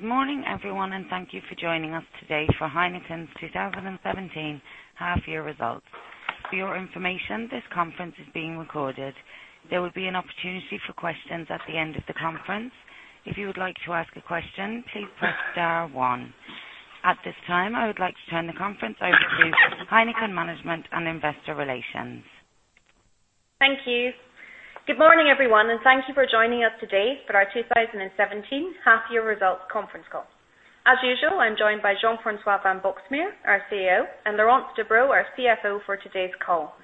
Good morning, everyone. Thank you for joining us today for Heineken's 2017 half-year results. For your information, this conference is being recorded. There will be an opportunity for questions at the end of the conference. If you would like to ask a question, please press star one. At this time, I would like to turn the conference over to Heineken management and investor relations. Thank you. Good morning, everyone. Thank you for joining us today for our 2017 half-year results conference call. As usual, I'm joined by Jean-François van Boxmeer, our CEO, and Laurence Debroux, our CFO, for today's call.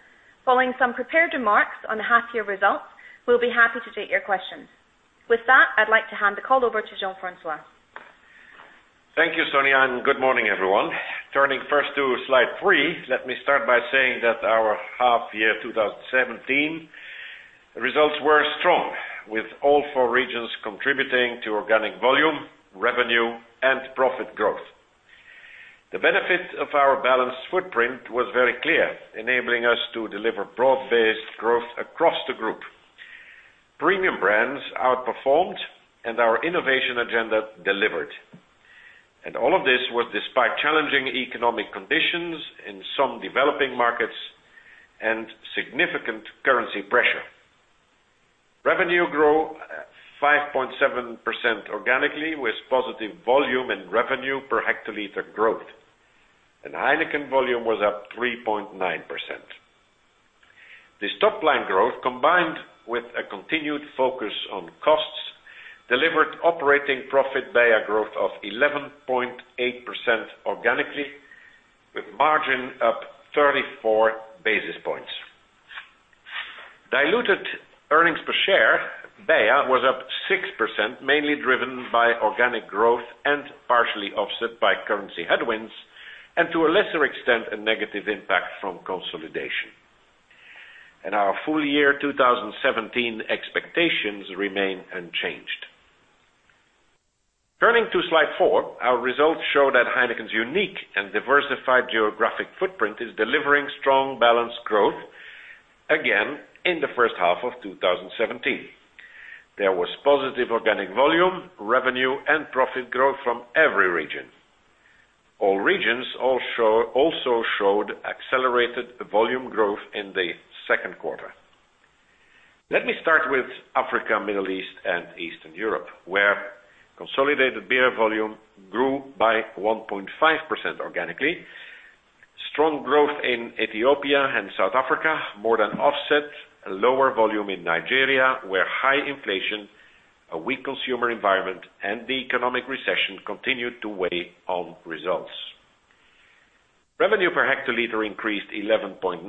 Following some prepared remarks on the half-year results, we'll be happy to take your questions. With that, I'd like to hand the call over to Jean-François. Thank you, Sonia. Good morning, everyone. Turning first to slide three, let me start by saying that our half-year 2017 results were strong, with all four regions contributing to organic volume, revenue, and profit growth. The benefit of our balanced footprint was very clear, enabling us to deliver broad-based growth across the group. Premium brands outperformed. Our innovation agenda delivered. All of this was despite challenging economic conditions in some developing markets and significant currency pressure. Revenue grew 5.7% organically with positive volume and revenue per hectoliter growth. Heineken volume was up 3.9%. This top-line growth, combined with a continued focus on costs, delivered operating profit BEIA growth of 11.8% organically, with margin up 34 basis points. Diluted earnings per share, BEIA was up 6%, mainly driven by organic growth and partially offset by currency headwinds, to a lesser extent, a negative impact from consolidation. Our full year 2017 expectations remain unchanged. Turning to slide four, our results show that Heineken's unique and diversified geographic footprint is delivering strong, balanced growth again in the first half of 2017. There was positive organic volume, revenue, and profit growth from every region. All regions also showed accelerated volume growth in the second quarter. Let me start with Africa, Middle East, and Eastern Europe, where consolidated beer volume grew by 1.5% organically. Strong growth in Ethiopia and South Africa more than offset lower volume in Nigeria, where high inflation, a weak consumer environment, and the economic recession continued to weigh on results. Revenue per hectoliter increased 11.9%,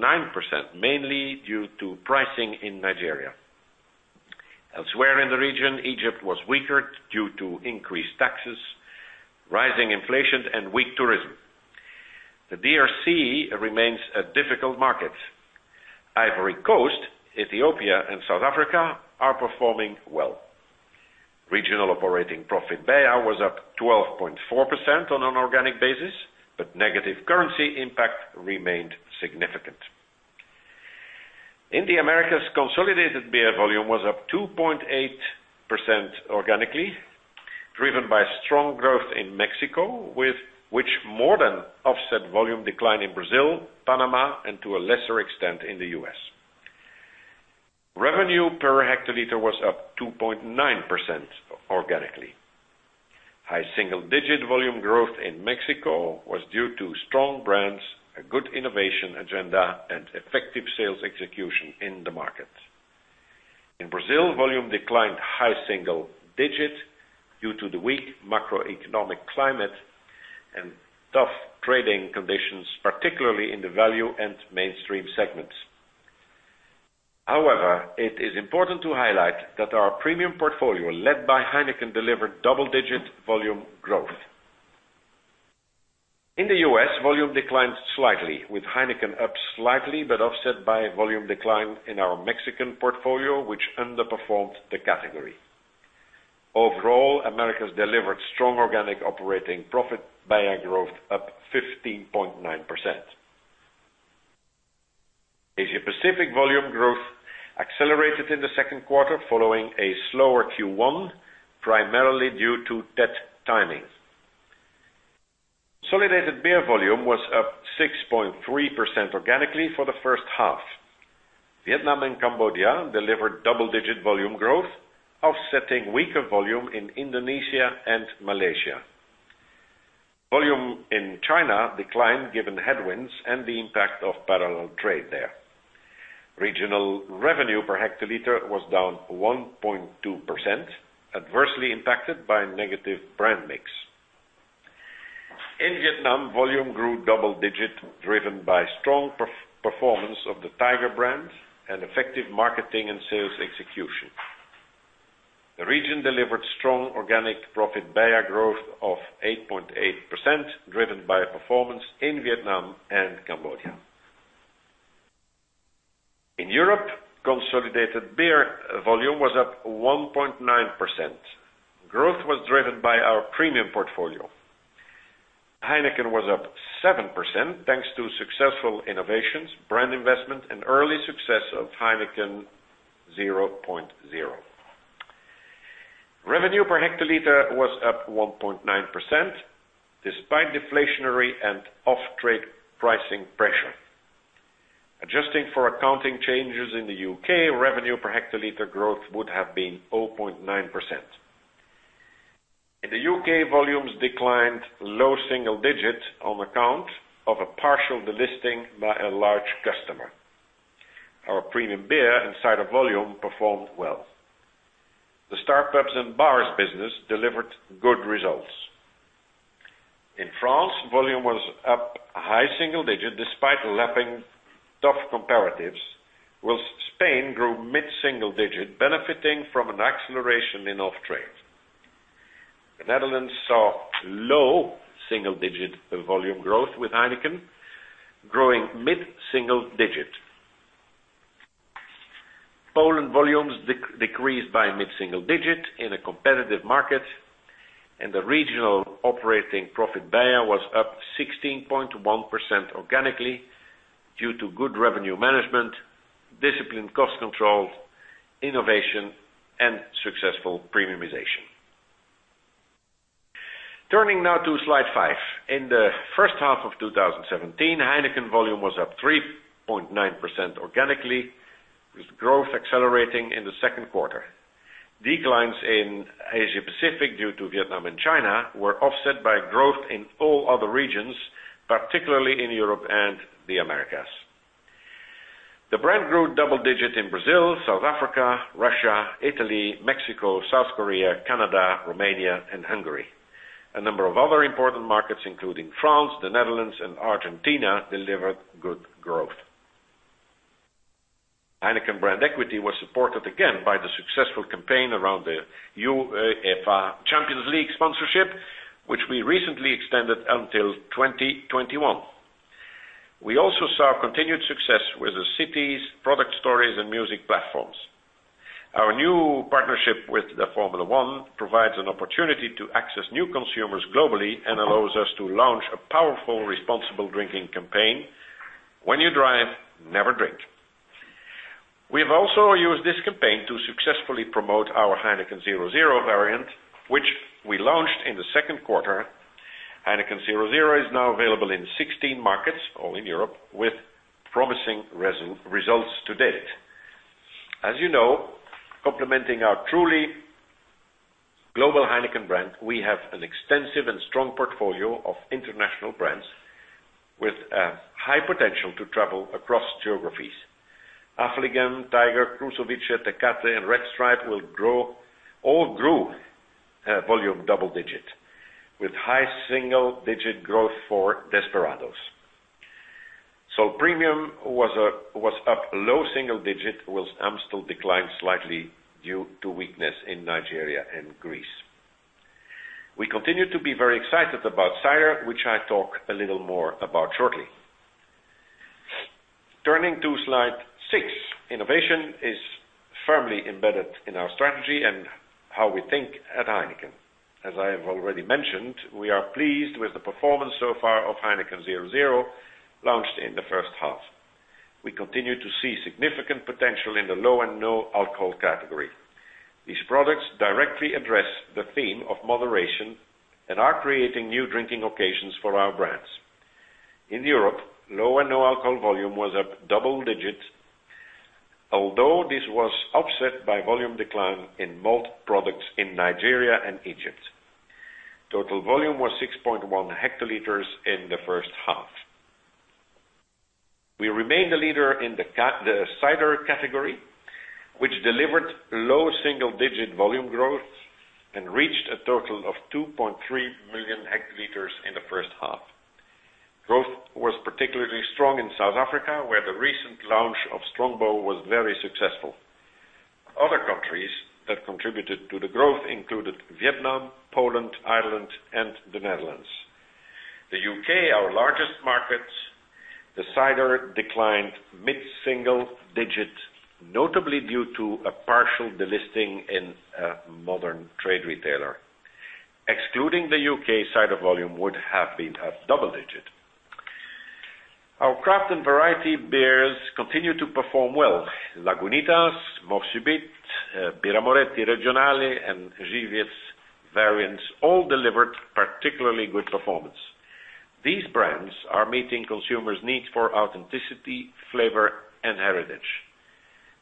mainly due to pricing in Nigeria. Elsewhere in the region, Egypt was weaker due to increased taxes, rising inflation, and weak tourism. The DRC remains a difficult market. Ivory Coast, Ethiopia, and South Africa are performing well. Regional operating profit beia was up 12.4% on an organic basis, negative currency impact remained significant. In the Americas, consolidated beer volume was up 2.8% organically, driven by strong growth in Mexico, which more than offset volume decline in Brazil, Panama, and to a lesser extent, in the U.S. Revenue per hectoliter was up 2.9% organically. High single-digit volume growth in Mexico was due to strong brands, a good innovation agenda, and effective sales execution in the market. In Brazil, volume declined high single digits due to the weak macroeconomic climate and tough trading conditions, particularly in the value and mainstream segments. It is important to highlight that our premium portfolio, led by Heineken, delivered double-digit volume growth. In the U.S., volume declined slightly with Heineken up slightly, but offset by volume decline in our Mexican portfolio, which underperformed the category. Americas delivered strong organic operating profit beia growth up 15.9%. Asia Pacific volume growth accelerated in the second quarter following a slower Q1, primarily due to Tet timing. Consolidated beer volume was up 6.3% organically for the first half. Vietnam and Cambodia delivered double-digit volume growth, offsetting weaker volume in Indonesia and Malaysia. Volume in China declined given headwinds and the impact of parallel trade there. Regional revenue per hectoliter was down 1.2%, adversely impacted by negative brand mix. In Vietnam, volume grew double digit, driven by strong performance of the Tiger brand and effective marketing and sales execution. The region delivered strong organic profit beia growth of 8.8%, driven by performance in Vietnam and Cambodia. In Europe, consolidated beer volume was up 1.9%. Growth was driven by our premium portfolio. Heineken was up 7%, thanks to successful innovations, brand investment, and early success of Heineken 0.0. Revenue per hectoliter was up 1.9%, despite deflationary and off-trade pricing pressure. Adjusting for accounting changes in the U.K., revenue per hectoliter growth would have been 0.9%. In the U.K., volumes declined low single digits on account of a partial delisting by a large customer. Our premium beer and cider volume performed well. The Star Pubs & Bars business delivered good results. In France, volume was up high single digit despite lapping tough comparatives, whilst Spain grew mid-single digit, benefiting from an acceleration in off-trade. The Netherlands saw low single-digit volume growth, with Heineken growing mid-single digit. Poland volumes decreased by mid-single digit in a competitive market, the regional operating profit beia was up 16.1% organically due to good revenue management, disciplined cost control, innovation, and successful premiumization. Turning now to slide five. In the first half of 2017, Heineken volume was up 3.9% organically, with growth accelerating in the second quarter. Declines in Asia Pacific, due to Vietnam and China, were offset by growth in all other regions, particularly in Europe and the Americas. The brand grew double digit in Brazil, South Africa, Russia, Italy, Mexico, South Korea, Canada, Romania, and Hungary. A number of other important markets, including France, the Netherlands, and Argentina, delivered good growth. Heineken brand equity was supported again by the successful campaign around the UEFA Champions League sponsorship, which we recently extended until 2021. We also saw continued success with the cities, product stories, and music platforms. Our new partnership with the Formula 1 provides an opportunity to access new consumers globally and allows us to launch a powerful responsible drinking campaign: when you drive, never drink. We've also used this campaign to successfully promote our Heineken 0.0 variant, which we launched in the second quarter. Heineken 0.0 is now available in 16 markets, all in Europe, with promising results to date. As you know, complementing our truly global Heineken brand, we have an extensive and strong portfolio of international brands with high potential to travel across geographies. Affligem, Tiger, Krušovice, Tecate, and Red Stripe all grew volume double digit, with high single-digit growth for Desperados. Premium was up low single digit, whilst Amstel declined slightly due to weakness in Nigeria and Greece. We continue to be very excited about cider, which I talk a little more about shortly. Turning to slide six. Innovation is firmly embedded in our strategy and how we think at Heineken. As I have already mentioned, we are pleased with the performance so far of Heineken 0.0, launched in the first half. We continue to see significant potential in the low and no alcohol category. These products directly address the theme of moderation and are creating new drinking occasions for our brands. In Europe, low and no alcohol volume was up double digits, although this was offset by volume decline in malt products in Nigeria and Egypt. Total volume was 6.1 million hectoliters in the first half. We remain the leader in the cider category, which delivered low single-digit volume growth and reached a total of 2.3 million hectoliters in the first half. Growth was particularly strong in South Africa, where the recent launch of Strongbow was very successful. Other countries that contributed to the growth included Vietnam, Poland, Ireland, and the Netherlands. The U.K., our largest market, the cider declined mid-single digit, notably due to a partial delisting in a modern trade retailer. Excluding the U.K., cider volume would have been up double digit. Our craft and variety beers continue to perform well. Lagunitas, Mort Subite, Birra Moretti Le Regionali, and Żywiec variants all delivered particularly good performance. These brands are meeting consumers' needs for authenticity, flavor, and heritage.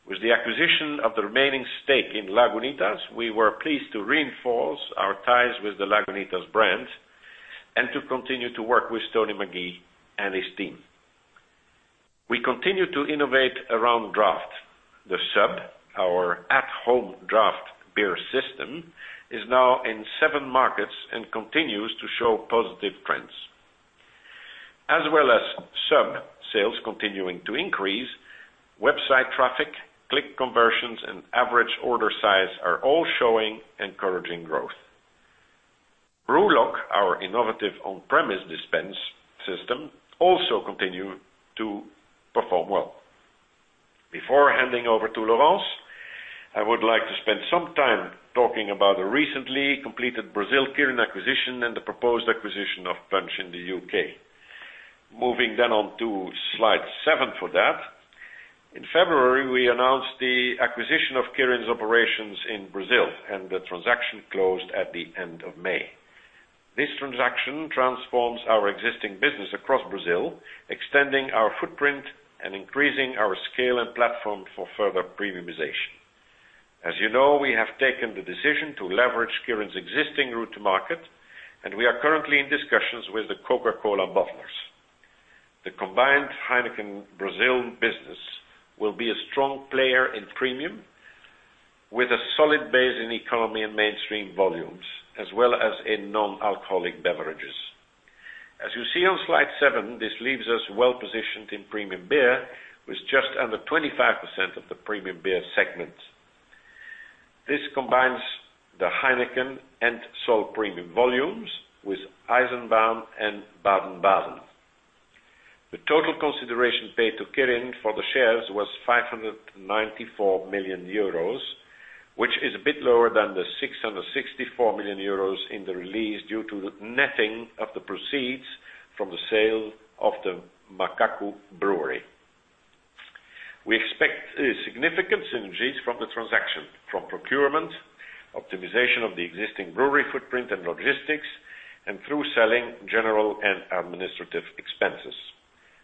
With the acquisition of the remaining stake in Lagunitas, we were pleased to reinforce our ties with the Lagunitas brand and to continue to work with Tony Magee and his team. We continue to innovate around draft. The SUB, our at-home draft beer system, is now in seven markets and continues to show positive trends. As well as SUB sales continuing to increase, website traffic, click conversions, and average order size are all showing encouraging growth. BrewLock, our innovative on-premise dispense system, also continue to perform well. Before handing over to Laurence, I would like to spend some time talking about the recently completed Brasil Kirin acquisition and the proposed acquisition of Punch in the U.K. Moving on to slide seven for that. In February, we announced the acquisition of Kirin's operations in Brazil, and the transaction closed at the end of May. This transaction transforms our existing business across Brazil, extending our footprint and increasing our scale and platform for further premiumization. As you know, we have taken the decision to leverage Kirin's existing route to market, and we are currently in discussions with the Coca-Cola bottlers. The combined Heineken Brazil business will be a strong player in premium, with a solid base in economy and mainstream volumes, as well as in non-alcoholic beverages. As you see on slide seven, this leaves us well-positioned in premium beer, with just under 25% of the premium beer segment. This combines the Heineken and Sol premium volumes with Eisenbahn and Baden-Baden. The total consideration paid to Kirin for the shares was 594 million euros, which is a bit lower than the 664 million euros in the release due to the netting of the proceeds from the sale of the Macacu brewery. We expect significant synergies from the transaction, from procurement, optimization of the existing brewery footprint and logistics, and through selling general and administrative expenses.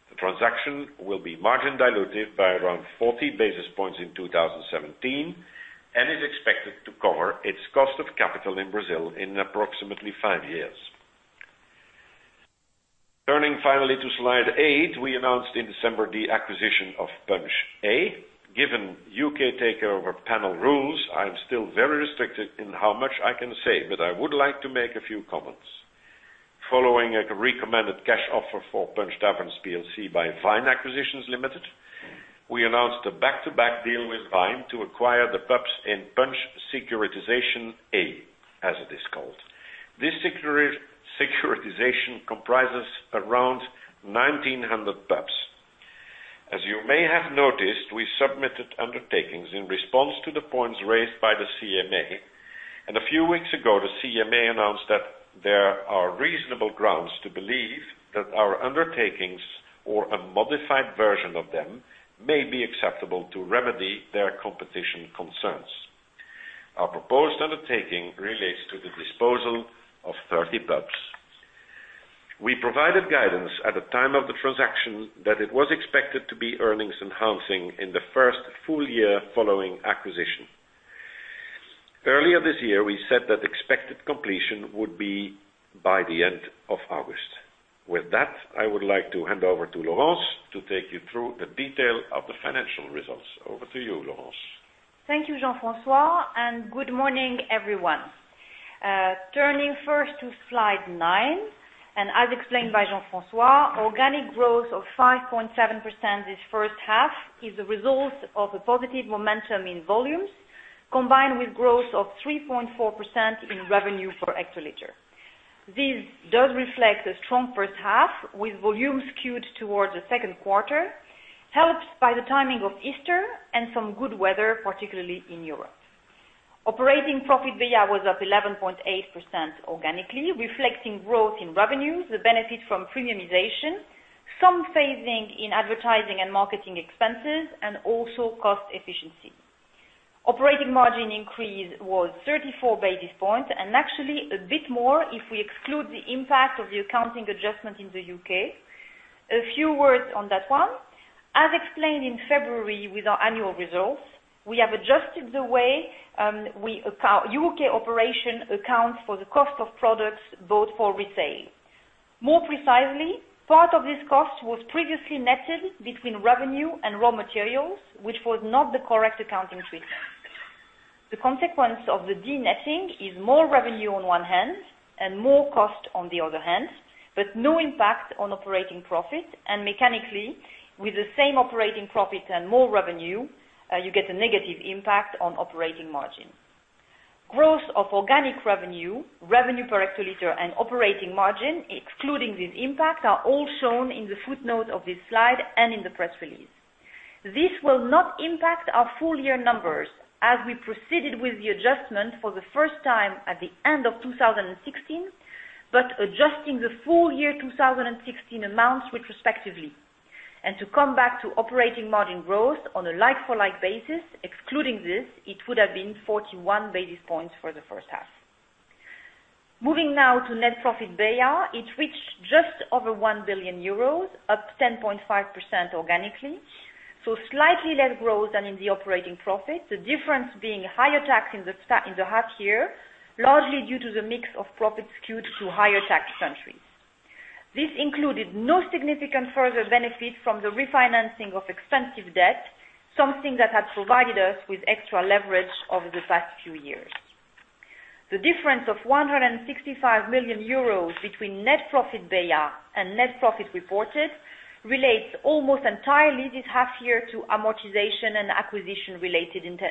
The transaction will be margin dilutive by around 40 basis points in 2017, and is expected to cover its cost of capital in Brazil in approximately five years. Turning finally to slide eight, we announced in December the acquisition of Punch A. Given U.K. Takeover Panel rules, I am still very restricted in how much I can say, but I would like to make a few comments. Following a recommended cash offer for Punch Taverns plc by Vine Acquisitions Limited, we announced a back-to-back deal with Vine to acquire the pubs in Punch Securitisation A, as it is called. This securitisation comprises around 1,900 pubs. As you may have noticed, we submitted undertakings in response to the points raised by the CMA, and a few weeks ago, the CMA announced that there are reasonable grounds to believe that our undertakings or a modified version of them may be acceptable to remedy their competition concerns. Our proposed undertaking relates to the disposal of 30 pubs. We provided guidance at the time of the transaction that it was expected to be earnings-enhancing in the first full year following acquisition. Earlier this year, we said that expected completion would be by the end of August. With that, I would like to hand over to Laurence to take you through the detail of the financial results. Over to you, Laurence. Thank you, Jean-François, and good morning, everyone. Turning first to slide nine. As explained by Jean-François, organic growth of 5.7% this first half is a result of a positive momentum in volumes, combined with growth of 3.4% in revenue per hectoliter. This does reflect a strong first half, with volumes skewed towards the second quarter, helped by the timing of Easter and some good weather, particularly in Europe. Operating profit beia was up 11.8% organically, reflecting growth in revenues, the benefit from premiumization, some phasing in advertising and marketing expenses, and also cost efficiency. Operating margin increase was 34 basis points, and actually a bit more if we exclude the impact of the accounting adjustment in the U.K. A few words on that one. As explained in February with our annual results, we have adjusted the way U.K. operation accounts for the cost of products bought for resale. More precisely, part of this cost was previously netted between revenue and raw materials, which was not the correct accounting treatment. The consequence of the de-netting is more revenue on one hand and more cost on the other hand, but no impact on operating profit. Mechanically, with the same operating profit and more revenue, you get a negative impact on operating margin. Growth of organic revenue per hectoliter, and operating margin, excluding this impact, are all shown in the footnote of this slide and in the press release. This will not impact our full year numbers, as we proceeded with the adjustment for the first time at the end of 2016, but adjusting the full year 2016 amounts retrospectively. To come back to operating margin growth on a like-for-like basis, excluding this, it would have been 41 basis points for the first half. Moving now to net profit BEIA, it reached just over 1 billion euros, up 10.5% organically, slightly less growth than in the operating profit, the difference being higher tax in the half year, largely due to the mix of profit skewed to higher tax countries. This included no significant further benefit from the refinancing of expensive debt, something that had provided us with extra leverage over the past few years. The difference of 165 million euros between net profit BEIA and net profit reported relates almost entirely this half year to amortization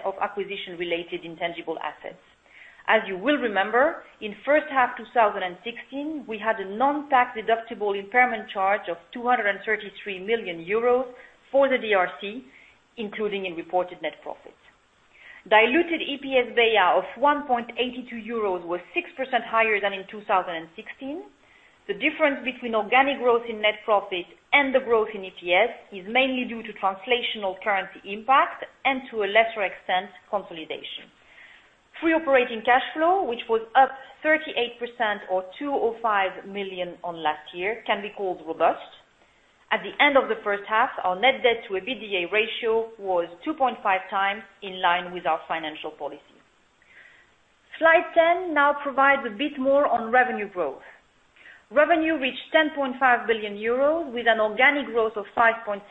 of acquisition-related intangible assets. As you will remember, in first half 2016, we had a non-tax-deductible impairment charge of 233 million euros for the DRC, including in reported net profit. Diluted EPS BEIA of 1.82 euros was 6% higher than in 2016. The difference between organic growth in net profit and the growth in EPS is mainly due to translational currency impact, to a lesser extent, consolidation. Free operating cash flow, which was up 38% or 205 million on last year, can be called robust. At the end of the first half, our net debt to EBITDA ratio was 2.5 times, in line with our financial policy. Slide 10 now provides a bit more on revenue growth. Revenue reached 10.5 billion euros with an organic growth of 5.7%,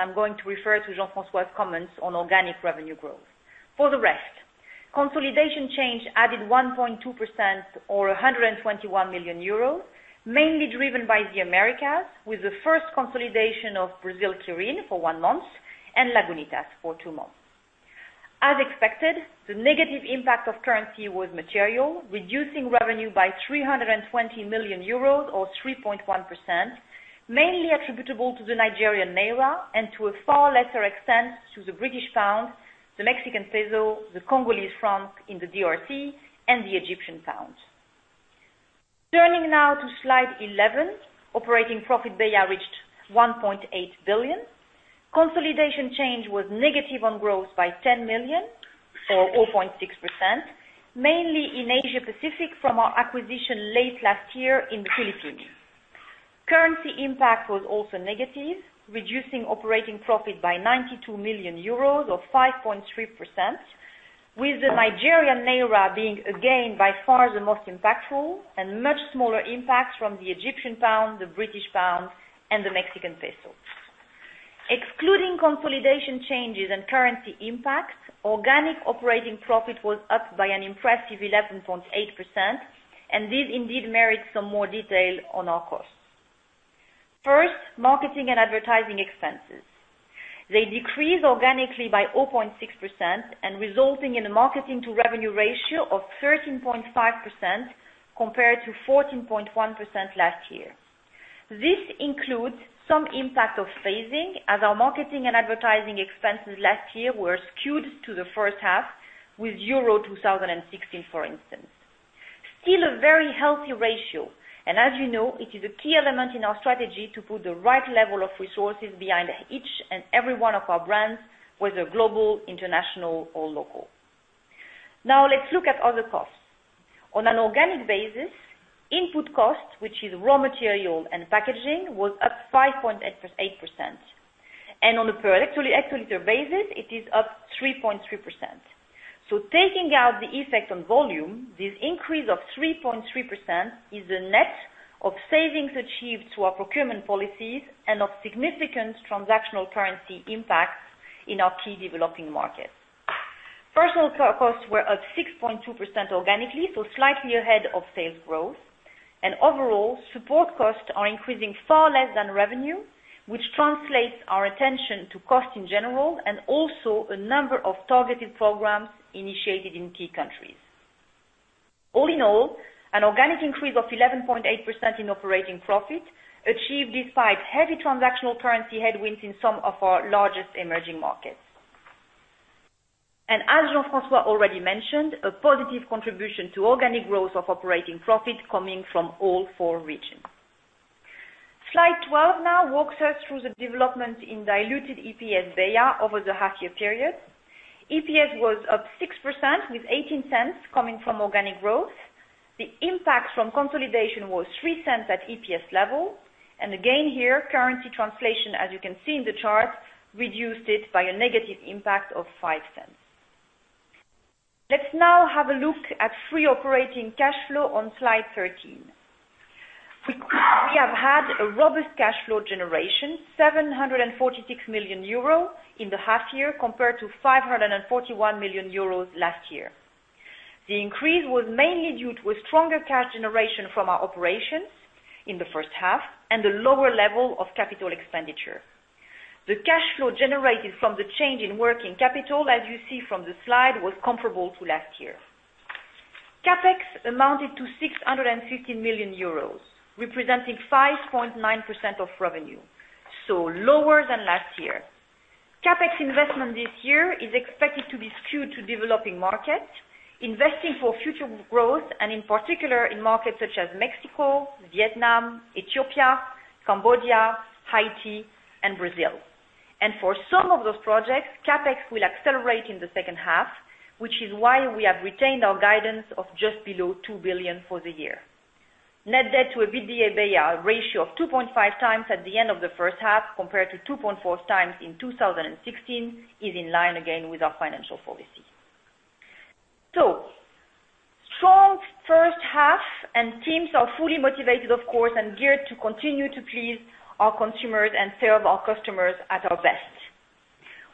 I'm going to refer to Jean-François's comments on organic revenue growth. For the rest, consolidation change added 1.2% or 121 million euros, mainly driven by the Americas with the first consolidation of Brasil Kirin for one month and Lagunitas for two months. As expected, the negative impact of currency was material, reducing revenue by 320 million euros or 3.1%, mainly attributable to the Nigerian Naira and to a far lesser extent to the British pound, the Mexican peso, the Congolese franc in the DRC, and the Egyptian pound. Turning now to Slide 11, operating profit BEIA reached 1.8 billion. Consolidation change was negative on growth by 10 million or 0.6%, mainly in Asia-Pacific from our acquisition late last year in the Philippines. Currency impact was also negative, reducing operating profit by 92 million euros or 5.3%, with the Nigerian Naira being, again, by far the most impactful, and much smaller impacts from the Egyptian pound, the British pound, and the Mexican peso. Excluding consolidation changes and currency impacts, organic operating profit was up by an impressive 11.8%, this indeed merits some more detail on our costs. First, marketing and advertising expenses. Resulting in a marketing to revenue ratio of 13.5% compared to 14.1% last year. This includes some impact of phasing as our marketing and advertising expenses last year were skewed to the first half with Euro 2016, for instance. Still a very healthy ratio, and as you know, it is a key element in our strategy to put the right level of resources behind each and every one of our brands, whether global, international, or local. Now let's look at other costs. On an organic basis, input costs, which is raw material and packaging, was up 5.8%. On a per hectoliter basis, it is up 3.3%. Taking out the effect on volume, this increase of 3.3% is the net of savings achieved through our procurement policies and of significant transactional currency impacts in our key developing markets. Personnel costs were up 6.2% organically, slightly ahead of sales growth. Overall, support costs are increasing far less than revenue, which translates our attention to cost in general, and also a number of targeted programs initiated in key countries. All in all, an organic increase of 11.8% in operating profit achieved despite heavy transactional currency headwinds in some of our largest emerging markets. As Jean-François already mentioned, a positive contribution to organic growth of operating profit coming from all four regions. Slide 12 now walks us through the development in diluted EPS BEIA over the half year period. EPS was up 6% with 0.18 coming from organic growth. The impact from consolidation was 0.03 at EPS level. Again, here, currency translation, as you can see in the chart, reduced it by a negative impact of 0.05. Let's now have a look at free operating cash flow on Slide 13. We have had a robust cash flow generation, 746 million euros in the half year compared to 541 million euros last year. The increase was mainly due to a stronger cash generation from our operations in the first half and a lower level of capital expenditure. The cash flow generated from the change in working capital, as you see from the slide, was comparable to last year. CapEx amounted to 615 million euros, representing 5.9% of revenue, lower than last year. CapEx investment this year is expected to be skewed to developing markets, investing for future growth, and in particular in markets such as Mexico, Vietnam, Ethiopia, Cambodia, Haiti, and Brazil. For some of those projects, CapEx will accelerate in the second half, which is why we have retained our guidance of just below 2 billion for the year. Net debt to EBITDA BEIA ratio of 2.5 times at the end of the first half compared to 2.4 times in 2016 is in line again with our financial policy. Strong first half and teams are fully motivated, of course, and geared to continue to please our consumers and serve our customers at our best.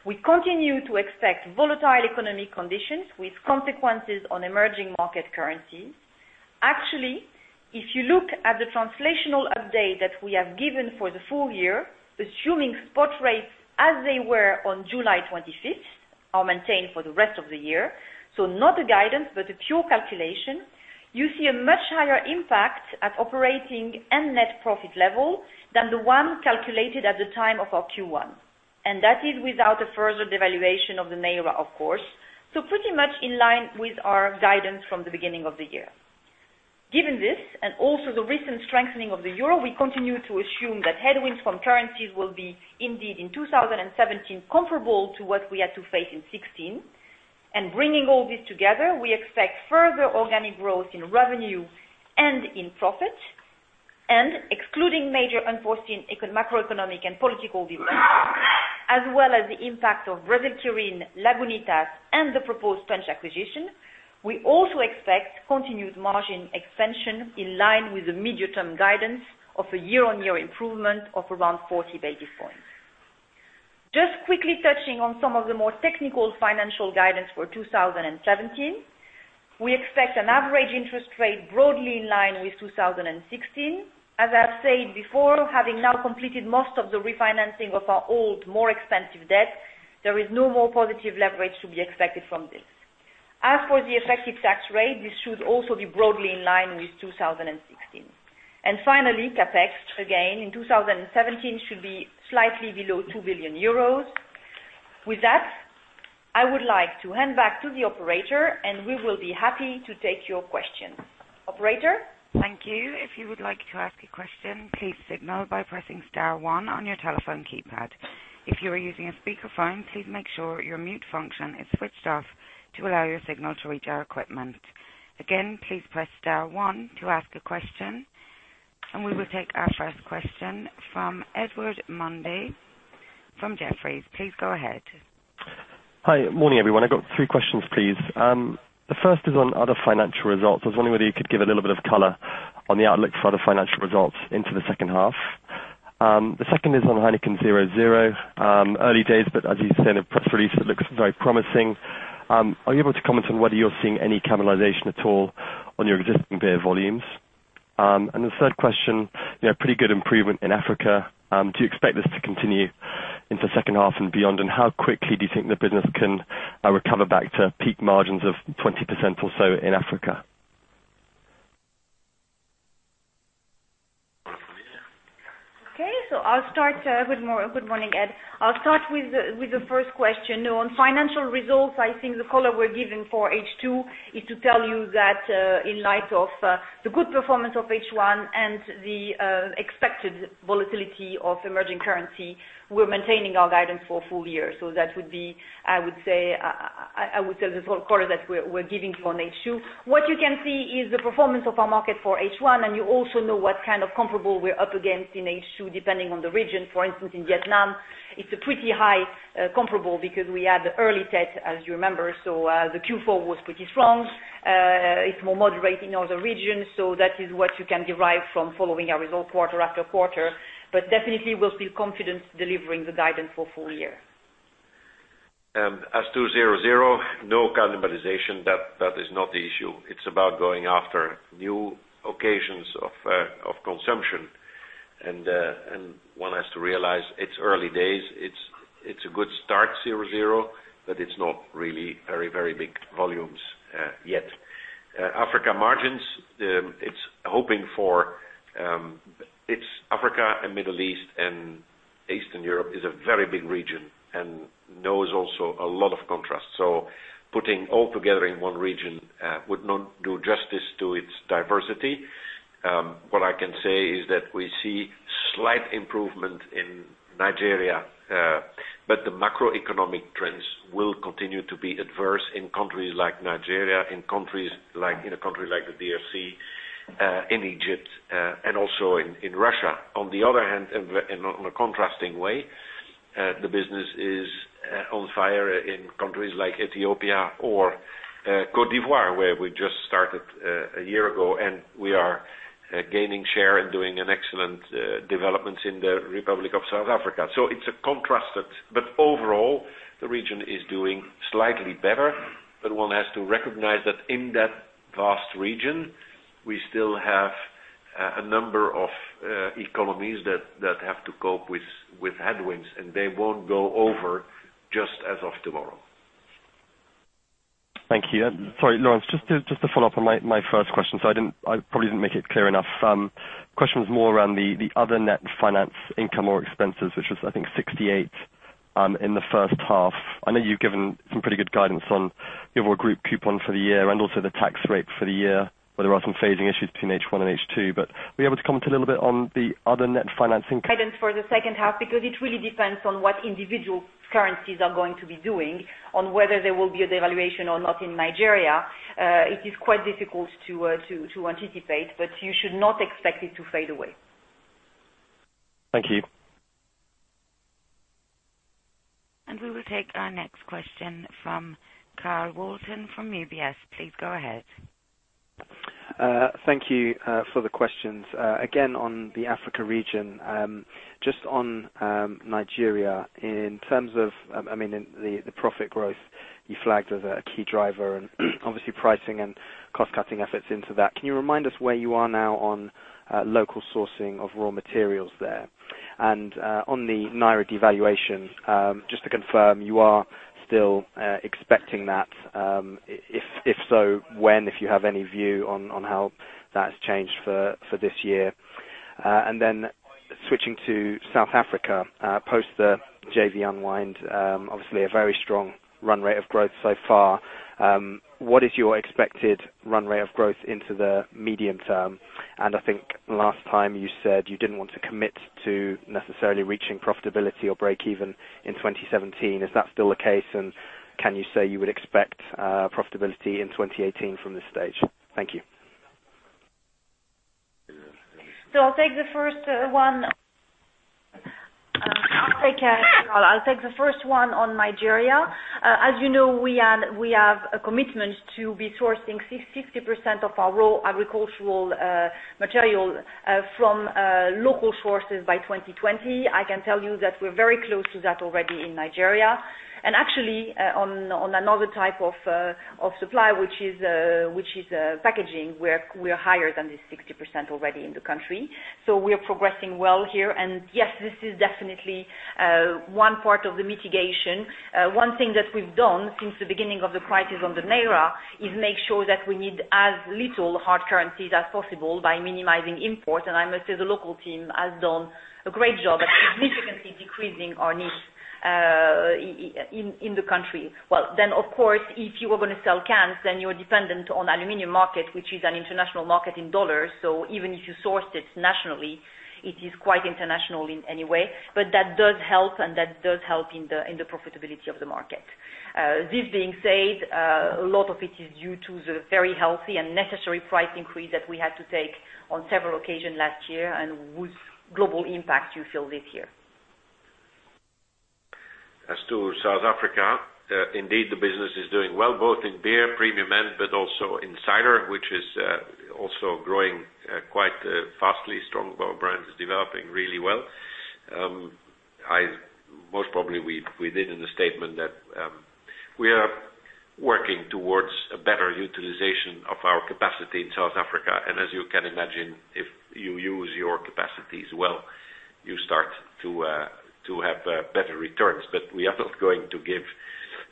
We continue to expect volatile economic conditions with consequences on emerging market currencies. Actually, if you look at the translational update that we have given for the full year, assuming spot rates as they were on July 25th, are maintained for the rest of the year. Not a guidance, but a pure calculation. You see a much higher impact at operating and net profit level than the one calculated at the time of our Q1, that is without a further devaluation of the Naira, of course. Pretty much in line with our guidance from the beginning of the year. Given this, also the recent strengthening of the euro, we continue to assume that headwinds from currencies will be indeed in 2017 comparable to what we had to face in 2016. Bringing all this together, we expect further organic growth in revenue and in profit, excluding major unforeseen macroeconomic and political developments, as well as the impact of Brasil Kirin, Lagunitas, and the proposed Punch acquisition. We also expect continued margin expansion in line with the medium-term guidance of a year-on-year improvement of around 40 basis points. Just quickly touching on some of the more technical financial guidance for 2017. We expect an average interest rate broadly in line with 2016. As I've said before, having now completed most of the refinancing of our old, more expensive debt, there is no more positive leverage to be expected from this. As for the effective tax rate, this should also be broadly in line with 2016. Finally, CapEx, again, in 2017 should be slightly below 2 billion euros. With that, I would like to hand back to the operator and we will be happy to take your questions. Operator? Thank you. If you would like to ask a question, please signal by pressing star one on your telephone keypad. If you are using a speakerphone, please make sure your mute function is switched off to allow your signal to reach our equipment. Again, please press star one to ask a question, and we will take our first question from Edward Mundy from Jefferies. Please go ahead. Hi. Morning, everyone. I got three questions, please. The first is on other financial results. I was wondering whether you could give a little bit of color on the outlook for the financial results into the second half. The second is on Heineken 0.0. Early days, but as you say in a press release, it looks very promising. Are you able to comment on whether you're seeing any cannibalization at all on your existing beer volumes? The third question, pretty good improvement in Africa. Do you expect this to continue into second half and beyond? How quickly do you think the business can recover back to peak margins of 20% or so in Africa? Okay. Good morning, Ed. I'll start with the first question. On financial results, I think the color we're giving for H2 is to tell you that, in light of the good performance of H1 and the expected volatility of emerging currency, we're maintaining our guidance for full year. That would be, I would say, the sort of color that we're giving for H2. What you can see is the performance of our market for H1, and you also know what kind of comparable we're up against in H2, depending on the region. For instance, in Vietnam, it's a pretty high comparable because we had the early Tet, as you remember, so the Q4 was pretty strong. It's more moderate in other regions. That is what you can derive from following our result quarter after quarter. Definitely, we'll feel confident delivering the guidance for full year. As to Heineken 0.0, no cannibalization. That is not the issue. It's about going after new occasions of consumption. One has to realize it's early days. It's a good start, Heineken 0.0, but it's not really very big volumes yet. Africa margins. Africa and Middle East and Eastern Europe is a very big region and knows also a lot of contrasts. Putting all together in one region would not do justice to its diversity. What I can say is that we see slight improvement in Nigeria. The macroeconomic trends will continue to be adverse in countries like Nigeria, in a country like the DRC, in Egypt, and also in Russia. On the other hand, in a contrasting way, the business is on fire in countries like Ethiopia or Côte d'Ivoire, where we just started a year ago, and we are gaining share and doing an excellent developments in the Republic of South Africa. It's a contrast. Overall, the region is doing slightly better, but one has to recognize that in that vast region, we still have a number of economies that have to cope with headwinds, and they won't go over just as of tomorrow. Thank you. Sorry, Laurence, just to follow up on my first question, I probably didn't make it clear enough. Question was more around the other net finance income or expenses, which was I think 68 in the first half. I know you've given some pretty good guidance on your group coupon for the year and also the tax rate for the year, where there are some phasing issues between H1 and H2. Were you able to comment a little bit on the other net financing- Guidance for the second half, because it really depends on what individual currencies are going to be doing, on whether there will be a devaluation or not in Nigeria. It is quite difficult to anticipate, but you should not expect it to fade away. Thank you. We will take our next question from Carl Walton from UBS. Please go ahead. Thank you for the questions. Again, on the Africa region. Just on Nigeria, in terms of the profit growth you flagged as a key driver and obviously pricing and cost-cutting efforts into that. Can you remind us where you are now on local sourcing of raw materials there? On the Naira devaluation, just to confirm, you are still expecting that. If so, when? If you have any view on how that's changed for this year. Then switching to South Africa, post the JV unwind, obviously a very strong run rate of growth so far. What is your expected run rate of growth into the medium term? I think last time you said you didn't want to commit to necessarily reaching profitability or breakeven in 2017. Is that still the case? Can you say you would expect profitability in 2018 from this stage? Thank you. I'll take the first one on Nigeria. As you know, we have a commitment to be sourcing 60% of our raw agricultural material from local sources by 2020. I can tell you that we're very close to that already in Nigeria. Actually, on another type of supply, which is packaging, we're higher than the 60% already in the country. We are progressing well here. Yes, this is definitely one part of the mitigation. One thing that we've done since the beginning of the crisis on the Naira is make sure that we need as little hard currencies as possible by minimizing imports. I must say, the local team has done a great job at significantly decreasing our need in the country. Well, then, of course, if you are going to sell cans, then you're dependent on aluminum market, which is an international market in dollars. Even if you sourced it nationally, it is quite international in any way. That does help, and that does help in the profitability of the market. This being said, a lot of it is due to the very healthy and necessary price increase that we had to take on several occasions last year and whose global impact you feel this year. As to South Africa, indeed the business is doing well, both in beer premium end, but also in cider, which is also growing quite fastly. Strongbow brand is developing really well. Most probably, we did in the statement that we are working towards a better utilization of our capacity in South Africa. As you can imagine, if you use your capacities well, you start to have better returns. We are not going to give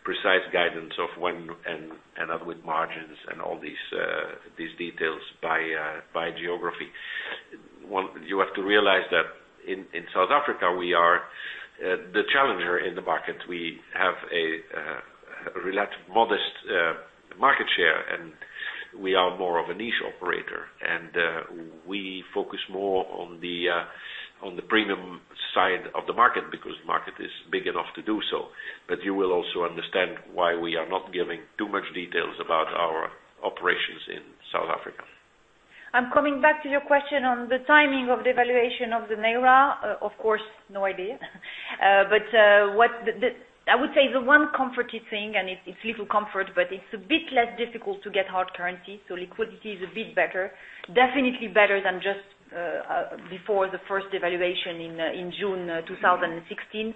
precise guidance of when and upward margins and all these details by geography. You have to realize that in South Africa, we are the challenger in the market. We have a modest market share, and we are more of a niche operator. We focus more on the premium side of the market because the market is big enough to do so. You will also understand why we are not giving too much details about our operations in South Africa. I am coming back to your question on the timing of devaluation of the Naira. Of course, no idea. I would say the one comforting thing, and it is little comfort, but it is a bit less difficult to get hard currency, so liquidity is a bit better. Definitely better than just before the first devaluation in June 2016.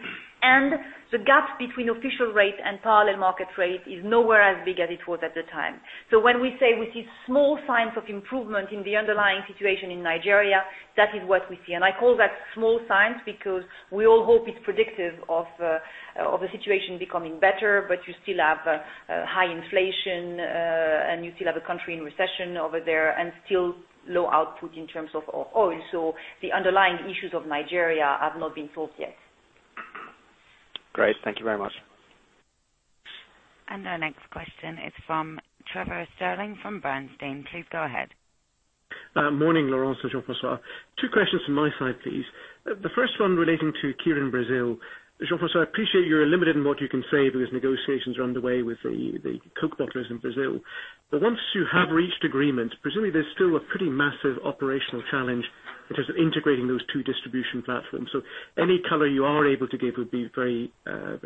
The gap between official rate and parallel market rate is nowhere as big as it was at the time. When we say we see small signs of improvement in the underlying situation in Nigeria, that is what we see. I call that small signs because we all hope it is predictive of a situation becoming better, but you still have high inflation, and you still have a country in recession over there and still low output in terms of oil. The underlying issues of Nigeria have not been solved yet. Great. Thank you very much. Our next question is from Trevor Stirling from Bernstein. Please go ahead. Morning, Laurence and Jean-François. Two questions from my side, please. The first one relating to Brasil Kirin. Jean-François, I appreciate you are limited in what you can say because negotiations are underway with the Coke bottlers in Brazil. Once you have reached agreement, presumably there is still a pretty massive operational challenge, which is integrating those two distribution platforms. Any color you are able to give would be great. The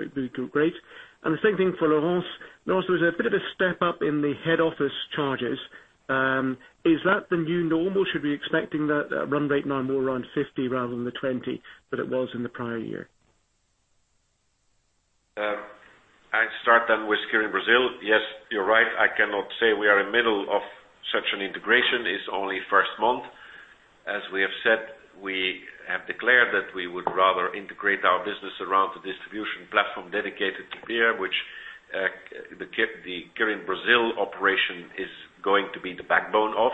same thing for Laurence. Laurence, there was a bit of a step up in the head office charges. Is that the new normal? Should we be expecting that run rate now more around 50 rather than the 20 that it was in the prior year? I start with Brasil Kirin. Yes, you're right. I cannot say we are in middle of such an integration. It's only first month. As we have said, we have declared that we would rather integrate our business around the distribution platform dedicated to beer, which the Brasil Kirin operation is going to be the backbone of.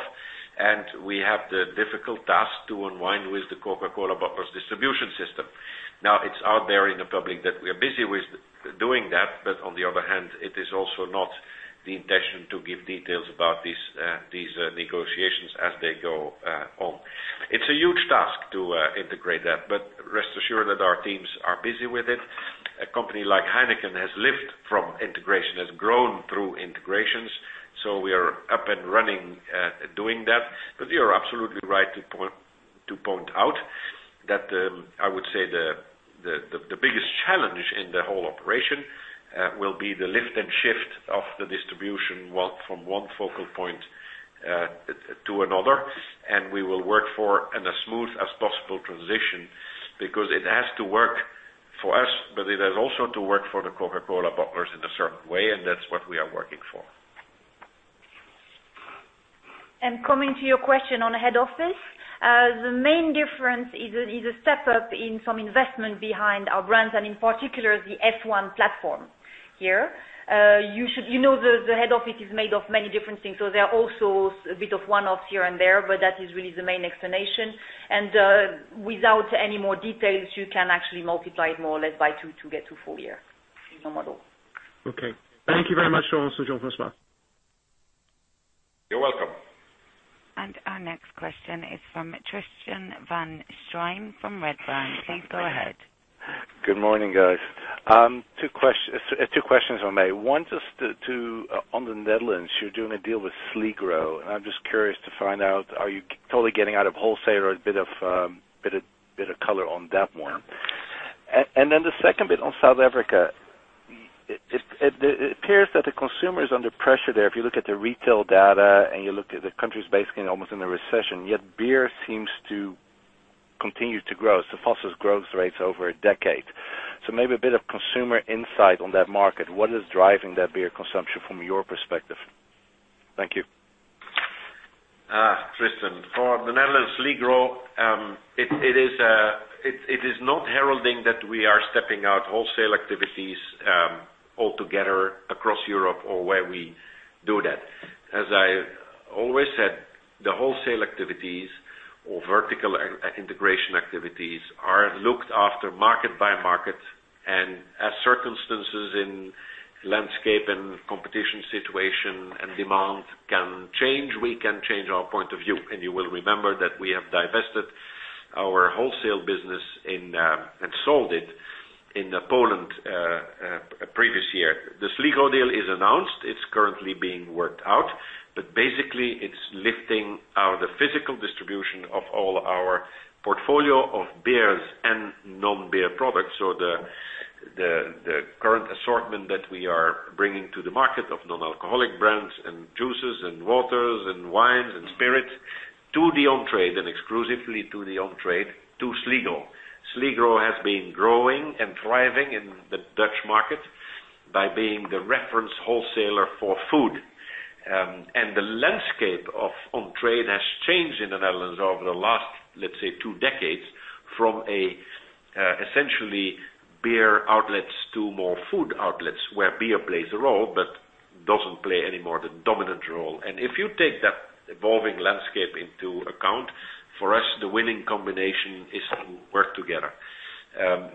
We have the difficult task to unwind with the Coca-Cola bottlers distribution system. It's out there in the public that we are busy with doing that. On the other hand, it is also not the intention to give details about these negotiations as they go on. It's a huge task to integrate that, but rest assured that our teams are busy with it. A company like Heineken has lived from integration, has grown through integrations. We are up and running doing that. You are absolutely right to point out that, I would say the biggest challenge in the whole operation will be the lift and shift of the distribution from one focal point to another, and we will work for as smooth as possible transition, because it has to work for us, but it has also to work for the Coca-Cola bottlers in a certain way, and that's what we are working for. Coming to your question on head office. The main difference is a step up in some investment behind our brands, and in particular, the F1 platform here. You know the head office is made of many different things, so there are also a bit of one-offs here and there, but that is really the main explanation. Without any more details, you can actually multiply it more or less by two to get to full year in the model. Okay. Thank you very much, Laurence and Jean-François. You are welcome. Our next question is from Tristan van Strien from Redburn. Please go ahead. Good morning, guys. Two questions if I may. One, on the Netherlands, you are doing a deal with Sligro. I am just curious to find out, are you totally getting out of wholesale or a bit of color on that one? The second bit on South Africa, it appears that the consumer is under pressure there. If you look at the retail data and you look at the countries, basically almost in a recession, yet beer seems to continue to grow. It is the fastest growth rates over a decade. Maybe a bit of consumer insight on that market. What is driving that beer consumption from your perspective? Thank you. Tristan, for the Netherlands Sligro, it is not heralding that we are stepping out wholesale activities altogether across Europe or where we do that. As I always said, the wholesale activities or vertical integration activities are looked after market by market, and as circumstances in landscape and competition situation and demand can change, we can change our point of view. You will remember that we have divested our wholesale business and sold it in Poland, previous year. The Sligro deal is announced. It is currently being worked out, but basically, it is lifting out the physical distribution of all our portfolio of beers and non-beer products. The current assortment that we are bringing to the market of non-alcoholic brands and juices and waters and wines and spirits to the on-trade and exclusively to the on-trade to Sligro. Sligro has been growing and thriving in the Dutch market by being the reference wholesaler for food. The landscape of on-trade has changed in the Netherlands over the last, let's say, two decades from essentially beer outlets to more food outlets where beer plays a role but doesn't play any more the dominant role. If you take that evolving landscape into account, for us, the winning combination is to work together.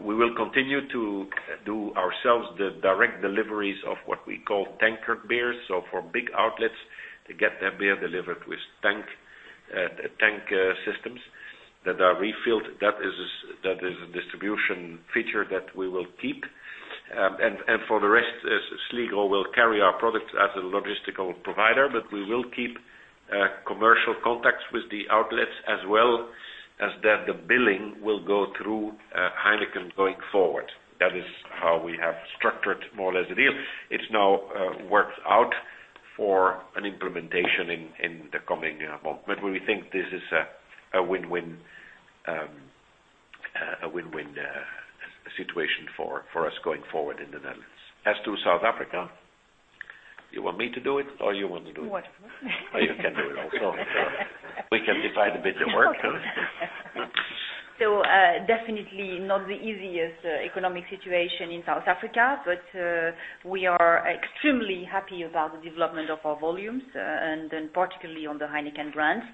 We will continue to do ourselves the direct deliveries of what we call tanker beers. For big outlets to get their beer delivered with tank systems that are refilled. That is a distribution feature that we will keep. For the rest, Sligro will carry our products as a logistical provider, but we will keep commercial contacts with the outlets as well, as that the billing will go through Heineken going forward. That is how we have structured more or less the deal. It's now worked out for an implementation in the coming month. We think this is a win-win situation for us going forward in the Netherlands. As to South Africa, you want me to do it or you want to do it? What? You can do it also. We can divide a bit the work. Definitely not the easiest economic situation in South Africa, but we are extremely happy about the development of our volumes, and then particularly on the Heineken brands.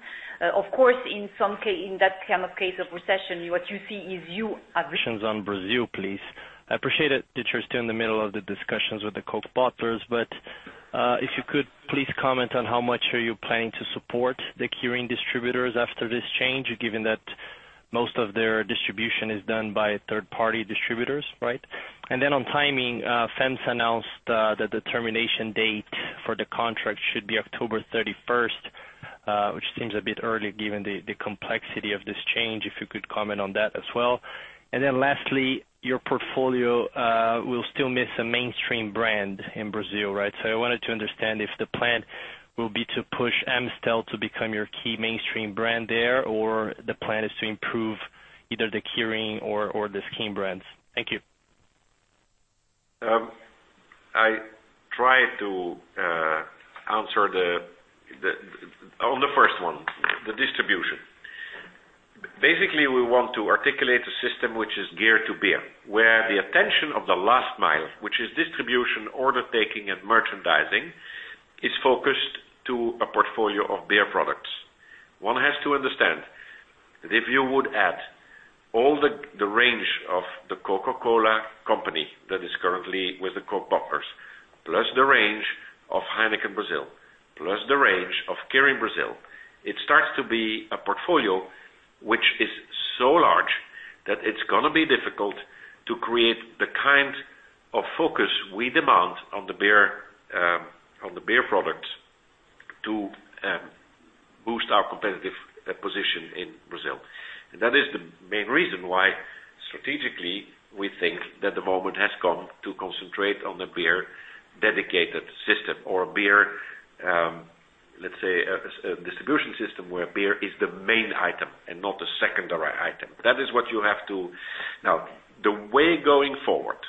Of course, in that kind of case of recession, what you see is. Questions on Brazil, please. I appreciate that you are still in the middle of the discussions with the Coca-Cola bottlers. If you could please comment on how much are you planning to support the Kirin distributors after this change, given that most of their distribution is done by third-party distributors, right? On timing, FEMSA announced that the termination date for the contract should be October 31st, which seems a bit early given the complexity of this change. If you could comment on that as well. Lastly, your portfolio will still miss a mainstream brand in Brazil, right? I wanted to understand if the plan will be to push Amstel to become your key mainstream brand there, or the plan is to improve either the Kirin or the [Skol] brands. Thank you. I try to answer on the first one, the distribution. Basically, we want to articulate a system which is geared to beer. Where the attention of the last mile, which is distribution, order taking, and merchandising, is focused to a portfolio of beer products. One has to understand that if you would add all the range of the Coca-Cola company that is currently with the Coca-Cola bottlers, plus the range of Heineken Brazil, plus the range of Brasil Kirin, it starts to be a portfolio which is so large that it is going to be difficult to create the kind of focus we demand on the beer products to boost our competitiveness. That is the main reason why strategically we think that the moment has come to concentrate on the beer dedicated system or beer, let's say, a distribution system where beer is the main item and not the secondary item. The way going forward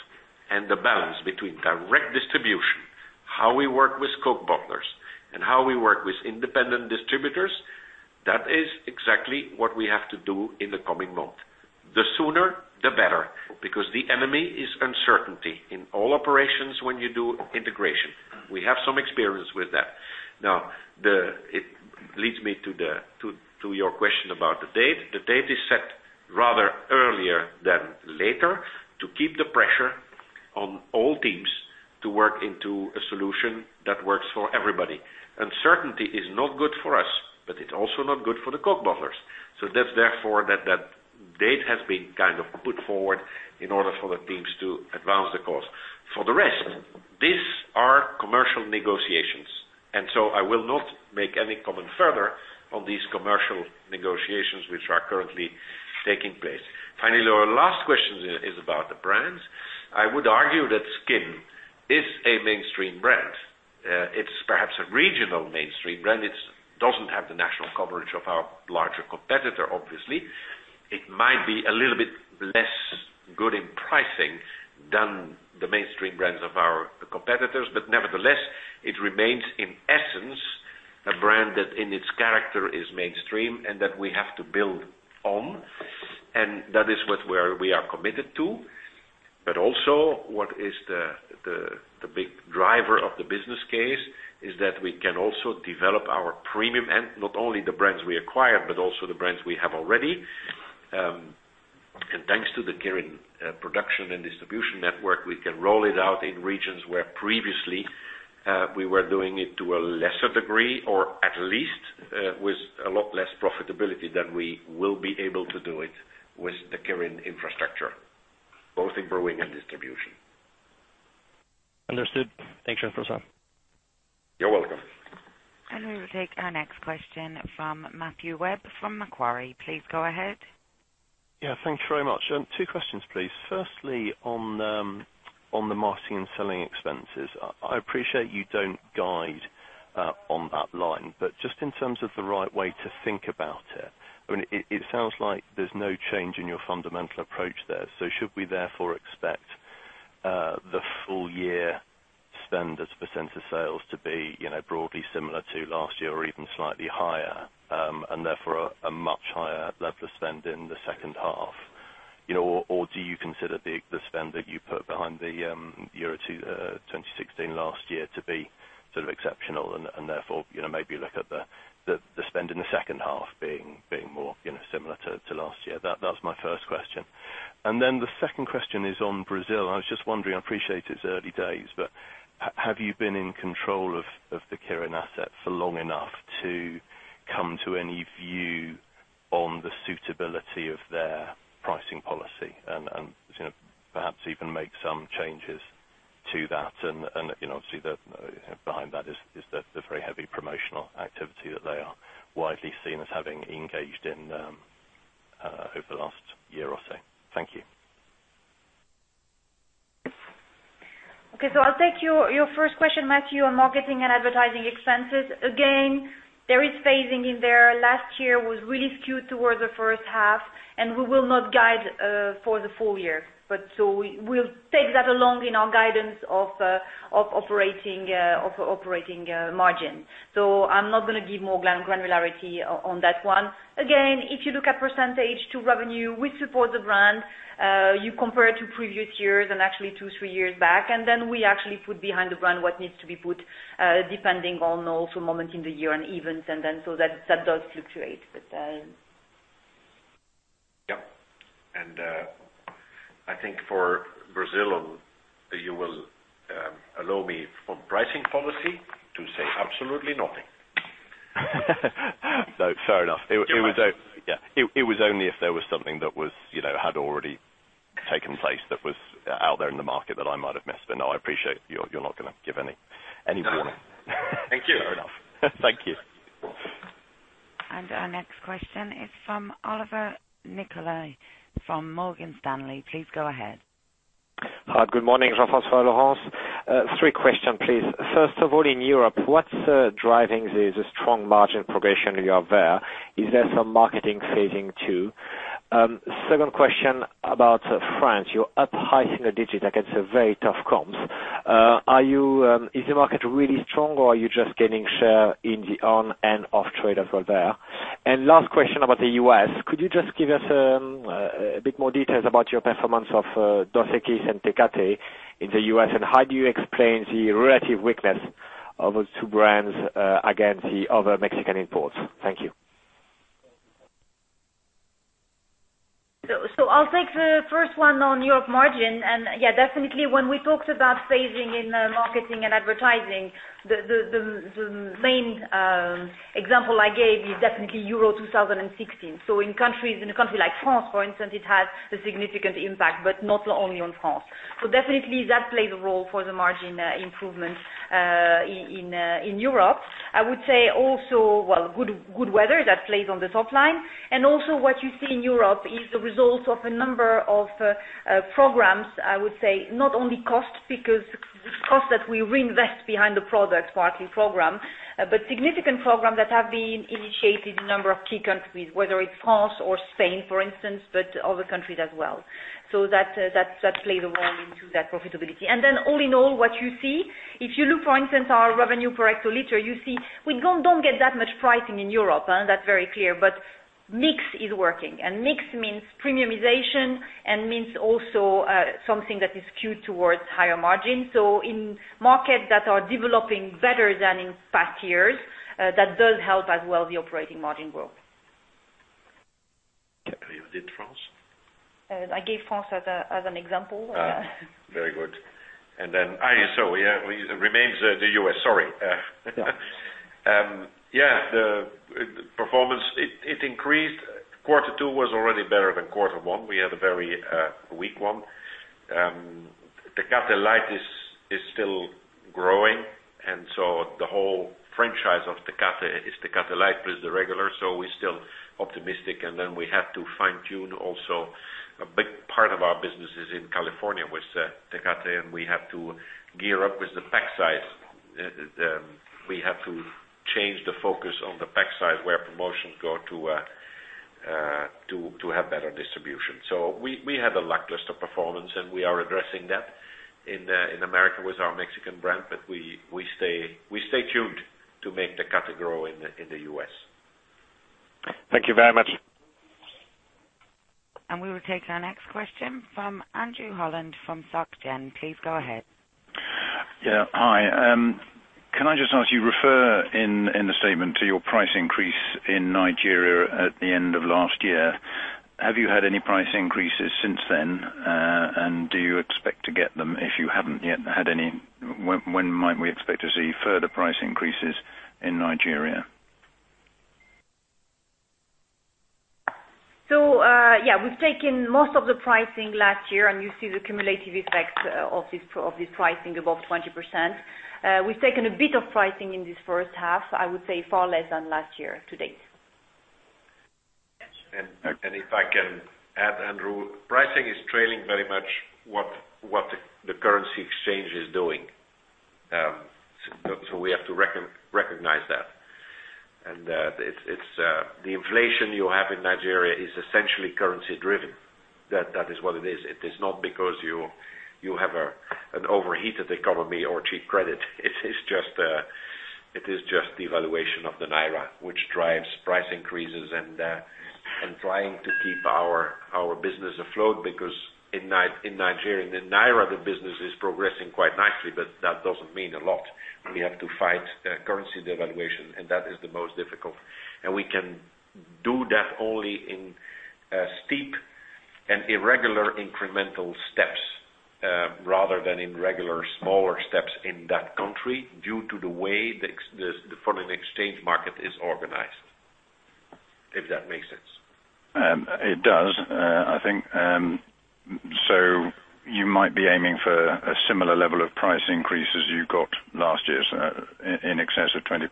and the balance between direct distribution, how we work with Coca-Cola bottlers, and how we work with independent distributors, that is exactly what we have to do in the coming month. The sooner, the better, because the enemy is uncertainty in all operations when you do integration. We have some experience with that. It leads me to your question about the date. The date is set rather earlier than later to keep the pressure on all teams to work into a solution that works for everybody. Uncertainty is not good for us, it is also not good for the Coca-Cola bottlers. That is therefore that date has been kind of put forward in order for the teams to advance the cause. For the rest, these are commercial negotiations. I will not make any comment further on these commercial negotiations, which are currently taking place. Finally, our last question is about the brands. I would argue that Skol is a mainstream brand. It is perhaps a regional mainstream brand. It does not have the national coverage of our larger competitor, obviously. It might be a little bit less good in pricing than the mainstream brands of our competitors. Nevertheless, it remains, in essence, a brand that in its character is mainstream and that we have to build on. That is what we are committed to. Also what is the big driver of the business case is that we can also develop our premium and not only the brands we acquire, but also the brands we have already. Thanks to the Kirin production and distribution network, we can roll it out in regions where previously we were doing it to a lesser degree, or at least with a lot less profitability than we will be able to do it with the Kirin infrastructure, both in brewing and distribution. Understood. Thanks, Jean-François. You're welcome. We will take our next question from Matthew Webb from Macquarie. Please go ahead. Thank you very much. 2 questions, please. Firstly, on the marketing and selling expenses, I appreciate you don't guide on that line, but just in terms of the right way to think about it sounds like there's no change in your fundamental approach there. Should we therefore expect the full year spend as a percent of sales to be broadly similar to last year or even slightly higher, and therefore a much higher level of spend in the second half? Do you consider the spend that you put behind the Euro 2016 last year to be sort of exceptional and therefore, maybe look at the spend in the second half being more similar to last year? That was my first question. The second question is on Brazil. I was just wondering, I appreciate it's early days, but have you been in control of the Kirin asset for long enough to come to any view on the suitability of their pricing policy and perhaps even make some changes to that? Obviously behind that is the very heavy promotional activity that they are widely seen as having engaged in over the last year or so. Thank you. I'll take your 1st question, Matthew, on marketing and advertising expenses. Again, there is phasing in there. Last year was really skewed towards the 1st half, we will not guide for the full year. We'll take that along in our guidance of operating margin. I'm not going to give more granularity on that one. Again, if you look at percentage to revenue, we support the brand. You compare it to previous years and actually two, three years back, we actually put behind the brand what needs to be put, depending on also moment in the year and events. That does fluctuate. I think for Brazil, you will allow me, on pricing policy, to say absolutely nothing. No, fair enough. You're welcome. Yeah. It was only if there was something that had already taken place that was out there in the market that I might have missed. No, I appreciate you're not gonna give any warning. No. Thank you. Fair enough. Thank you. Our next question is from Olivier Nicolai from Morgan Stanley. Please go ahead. Hi. Good morning, Jean-François, Laurence. Three questions, please. First of all, in Europe, what's driving the strong margin progression you have there? Is there some marketing phasing too? Second question about France. You're up high single digit against very tough comps. Is the market really strong, or are you just gaining share in the on and off-trade as well there? Last question about the U.S. Could you just give us a bit more details about your performance of Dos Equis and Tecate in the U.S., and how do you explain the relative weakness of those two brands against the other Mexican imports? Thank you. I'll take the first one on Europe margin. Yeah, definitely when we talked about phasing in marketing and advertising, the main example I gave is definitely Euro 2016. In a country like France, for instance, it has a significant impact, but not only on France. Definitely that plays a role for the margin improvements in Europe. I would say also, well, good weather, that plays on the top line. Also what you see in Europe is the result of a number of programs, I would say, not only cost because costs that we reinvest behind the product marketing program. Significant programs that have been initiated in a number of key countries, whether it's France or Spain, for instance, but other countries as well. That plays a role into that profitability. All in all, what you see, if you look, for instance, our revenue per hectoliter, you see we don't get that much pricing in Europe, and that's very clear, but mix is working. Mix means premiumization and means also something that is skewed towards higher margin. In markets that are developing better than in past years, that does help as well the operating margin growth. You did France? I gave France as an example. Very good. Remains the U.S., sorry. The performance, it increased. Quarter two was already better than quarter one. We had a very weak one. Tecate Light is still growing, and so the whole franchise of Tecate is Tecate Light plus the regular, so we're still optimistic, and then we have to fine-tune also a big part of our business is in California with Tecate, and we have to gear up with the pack size. We have to change the focus on the pack size where promotions go to have better distribution. We had a lackluster performance, and we are addressing that in America with our Mexican brand, but we stay tuned to make Tecate grow in the U.S. Thank you very much. We will take our next question from Andrew Holland of Soc Gen. Please go ahead. Hi. Can I just ask you refer in the statement to your price increase in Nigeria at the end of last year. Have you had any price increases since then? Do you expect to get them if you haven't yet had any? When might we expect to see further price increases in Nigeria? We've taken most of the pricing last year, and you see the cumulative effect of this pricing above 20%. We've taken a bit of pricing in this first half, I would say far less than last year to date. If I can add, Andrew. Pricing is trailing very much what the currency exchange is doing. We have to recognize that. The inflation you have in Nigeria is essentially currency-driven. That is what it is. It is not because you have an overheated economy or cheap credit. It is just the devaluation of the Naira, which drives price increases and trying to keep our business afloat because in Nigeria, in Naira, the business is progressing quite nicely, but that doesn't mean a lot. We have to fight currency devaluation, and that is the most difficult. We can do that only in steep and irregular incremental steps, rather than in regular smaller steps in that country, due to the way the foreign exchange market is organized. If that makes sense. It does. You might be aiming for a similar level of price increase as you got last year, so in excess of 20%.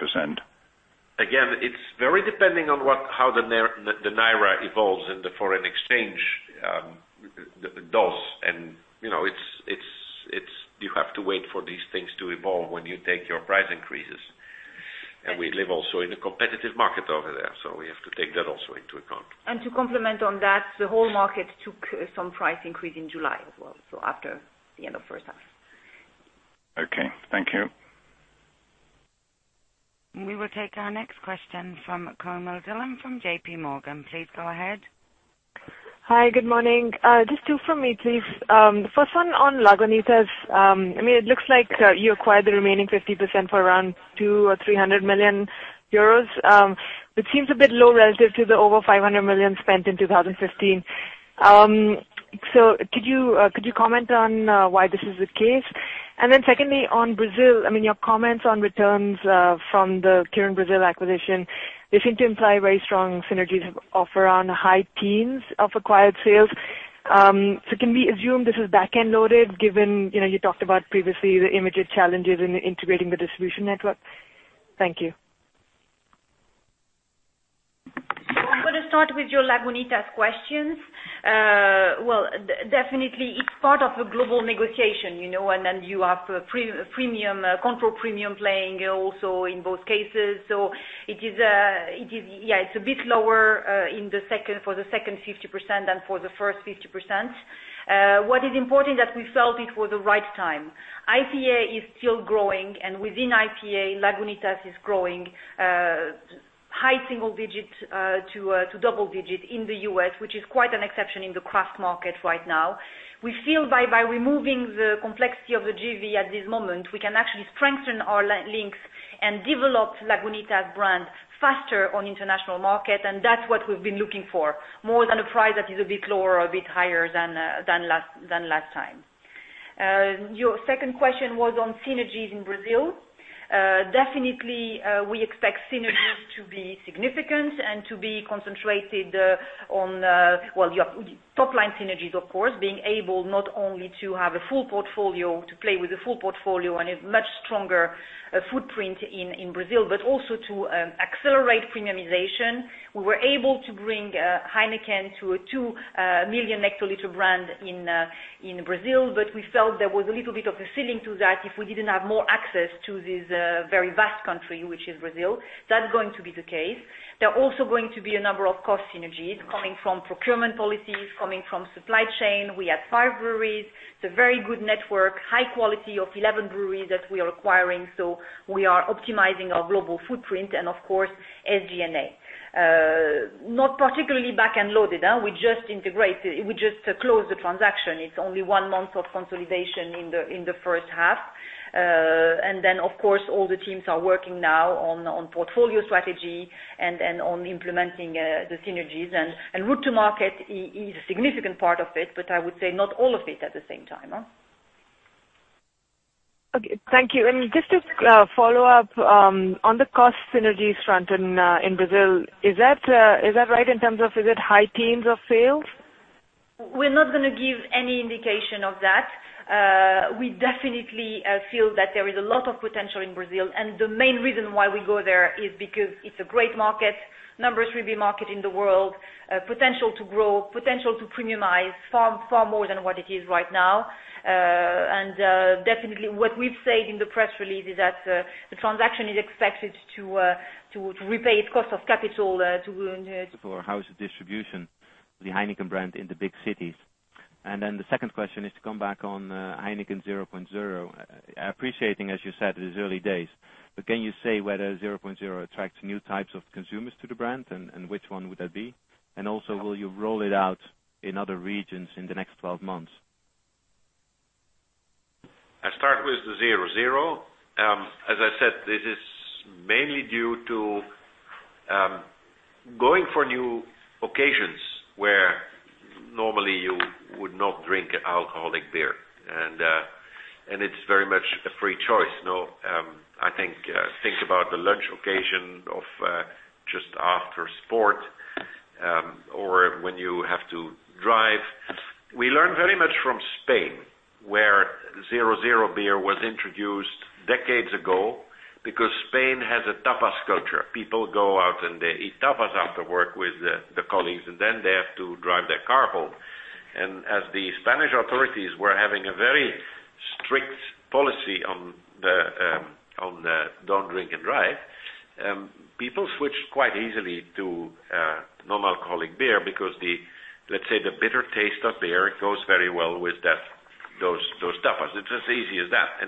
Again, it's very depending on how the Naira evolves and the foreign exchange does. You have to wait for these things to evolve when you take your price increases. We live also in a competitive market over there, so we have to take that also into account. To complement on that, the whole market took some price increase in July as well, so after the end of first half. Okay. Thank you. We will take our next question from Komal Dhillon from JPMorgan. Please go ahead. Hi. Good morning. Just two from me, please. The first one on Lagunitas. It looks like you acquired the remaining 50% for around [two billion or 300 billion euros]. It seems a bit low relative to the over 500 million spent in 2015. Could you comment on why this is the case? Secondly, on Brazil, your comments on returns from the Kirin Brazil acquisition, they seem to imply very strong synergies of around high teens of acquired sales. Can we assume this is back-end loaded given you talked about previously the immediate challenges in integrating the distribution network? Thank you. I'm going to start with your Lagunitas questions. Definitely it's part of a global negotiation. Then you have control premium playing also in both cases. It's a bit lower for the second 50% than for the first 50%. What is important that we felt it was the right time. IPA is still growing, and within IPA, Lagunitas is growing high single digit to double digit in the U.S., which is quite an exception in the craft market right now. We feel by removing the complexity of the JV at this moment, we can actually strengthen our links and develop Lagunitas brand faster on international market, and that's what we've been looking for, more than a price that is a bit lower or a bit higher than last time. Your second question was on synergies in Brazil. Definitely, we expect synergies to be significant and to be concentrated on, well, top-line synergies, of course, being able not only to have a full portfolio, to play with a full portfolio and a much stronger footprint in Brazil, but also to accelerate premiumization. We were able to bring Heineken to a 2 million hectoliter brand in Brazil, but we felt there was a little bit of a ceiling to that if we didn't have more access to this very vast country, which is Brazil. That's going to be the case. There are also going to be a number of cost synergies coming from procurement policies, coming from supply chain. We have five breweries. It's a very good network, high quality of 11 breweries that we are acquiring. We are optimizing our global footprint and of course, SG&A. Not particularly back-end loaded. We just closed the transaction. It's only one month of consolidation in the first half. Then, of course, all the teams are working now on portfolio strategy and on implementing the synergies. Route to market is a significant part of it, but I would say not all of it at the same time. Okay. Thank you. Just to follow up on the cost synergies front in Brazil, is that right in terms of, is it high teens of sales? We're not going to give any indication of that. We definitely feel that there is a lot of potential in Brazil, and the main reason why we go there is because it's a great market. Number three beer market in the world. Potential to grow, potential to premiumize far more than what it is right now. Definitely what we've said in the press release is that the transaction is expected to repay its cost of capital to- [For in-house] distribution of the Heineken brand in the big cities. The second question is to come back on Heineken 0.0. Appreciating, as you said, it is early days. Can you say whether 0.0 attracts new types of consumers to the brand, and which one would that be? Also, will you roll it out in other regions in the next 12 months? I'll start with the 0.0. As I said, this is mainly due to going for new occasions where normally you would not drink alcoholic beer. It's very much a free choice. Think about the lunch occasion of just after sport or when you have to drive. We learn very much from Spain, where 0.0 beer was introduced decades ago because Spain has a tapas culture. People go out and they eat tapas after work with the colleagues, and then they have to drive their car home. As the Spanish authorities were having a very strict policy on the don't drink and drive, people switched quite easily to non-alcoholic beer because the, let's say, the bitter taste of beer goes very well with those tapas. It's as easy as that.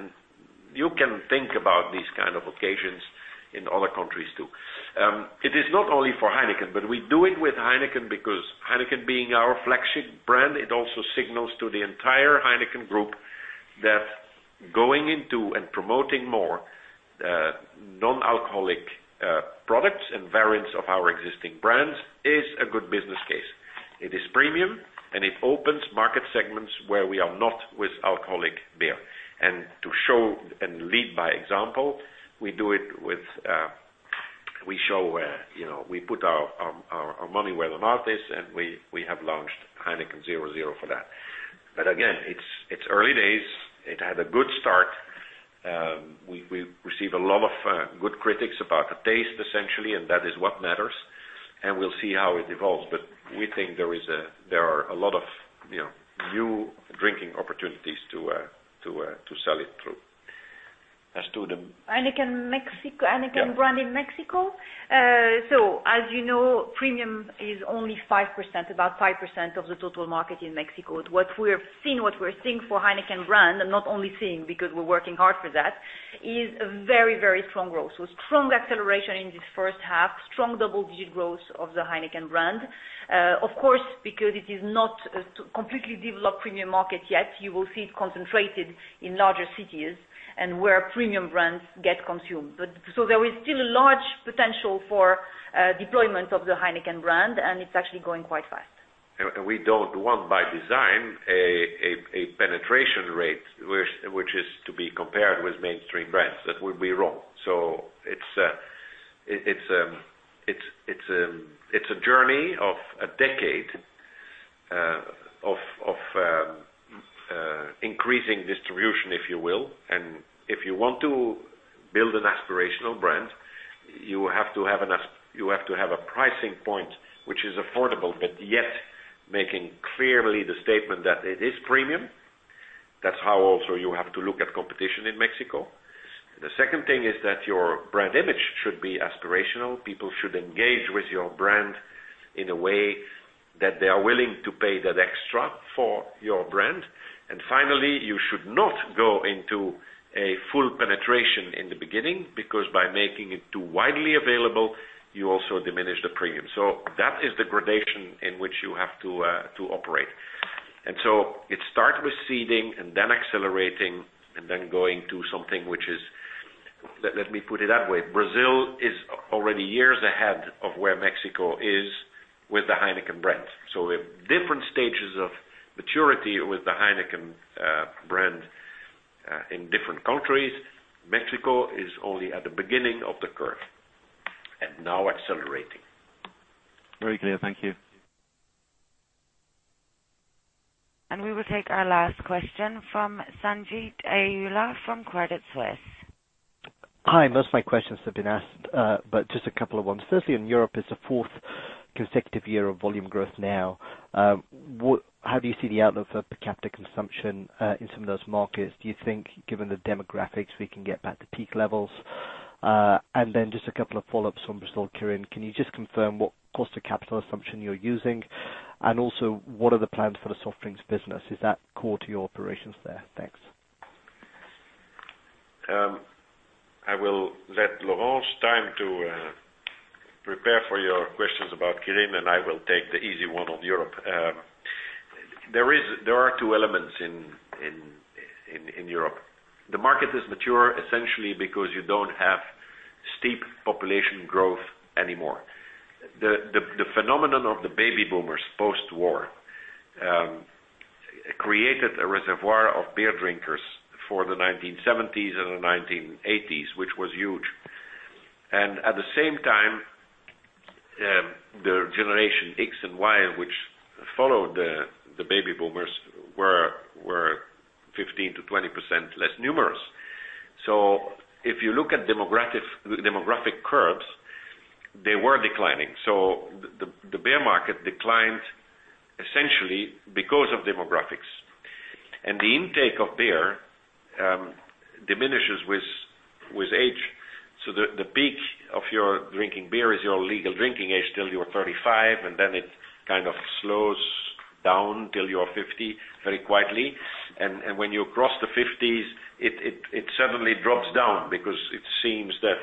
You can think about these kind of occasions in other countries, too. It is not only for Heineken, but we do it with Heineken because Heineken being our flagship brand, it also signals to the entire Heineken group that going into and promoting more non-alcoholic products and variants of our existing brands is a good business case. It is premium and it opens market segments where we are not with alcoholic beer. To show and lead by example, we put our money where the mouth is, and we have launched Heineken 0.0 for that. Again, it's early days. It had a good start. We receive a lot of good critics about the taste, essentially, and that is what matters. We'll see how it evolves. We think there are a lot of new drinking opportunities to sell it through. Heineken brand in Mexico. Yeah. As you know, premium is only 5%, about 5% of the total market in Mexico. What we're seeing for Heineken brand, and not only seeing because we're working hard for that, is a very strong growth. Strong acceleration in this first half, strong double-digit growth of the Heineken brand. Of course, because it is not a completely developed premium market yet, you will see it concentrated in larger cities and where premium brands get consumed. There is still a large potential for deployment of the Heineken brand, and it's actually going quite fast. We don't want, by design, a penetration rate which is to be compared with mainstream brands. That would be wrong. It's a journey of a decade of increasing distribution, if you will. If you want to build an aspirational brand, you have to have a pricing point which is affordable, but yet making clearly the statement that it is premium. That's how also you have to look at competition in Mexico. The second thing is that your brand image should be aspirational. People should engage with your brand in a way that they are willing to pay that extra for your brand. Finally, you should not go into a full penetration in the beginning, because by making it too widely available, you also diminish the premium. That is the gradation in which you have to operate. It start with seeding and then accelerating and then going to something which is Let me put it that way. Brazil is already years ahead of where Mexico is with the Heineken brand. We have different stages of maturity with the Heineken brand in different countries. Mexico is only at the beginning of the curve and now accelerating. Very clear. Thank you. We will take our last question from Sanjeet Aujla from Credit Suisse. Hi, most of my questions have been asked, but just a couple of ones. Firstly, in Europe as the fourth consecutive year of volume growth now. How do you see the outlook for per capita consumption in some of those markets? Do you think, given the demographics, we can get back to peak levels? Then just a couple of follow-ups on Brasil Kirin. Can you just confirm what cost of capital assumption you're using? Also, what are the plans for the soft drinks business? Is that core to your operations there? Thanks. I will let Laurence time to prepare for your questions about Kirin, I will take the easy one on Europe. There are two elements in Europe. The market is mature essentially because you don't have steep population growth anymore. The phenomenon of the baby boomers post-war, created a reservoir of beer drinkers for the 1970s and the 1980s, which was huge. At the same time, the Generation X and Y, which followed the baby boomers were 15%-20% less numerous. If you look at demographic curves, they were declining. The beer market declined essentially because of demographics. The intake of beer diminishes with age. The peak of your drinking beer is your legal drinking age till you're 35, and then it kind of slows down till you're 50, very quietly. When you cross the 50s, it suddenly drops down because it seems that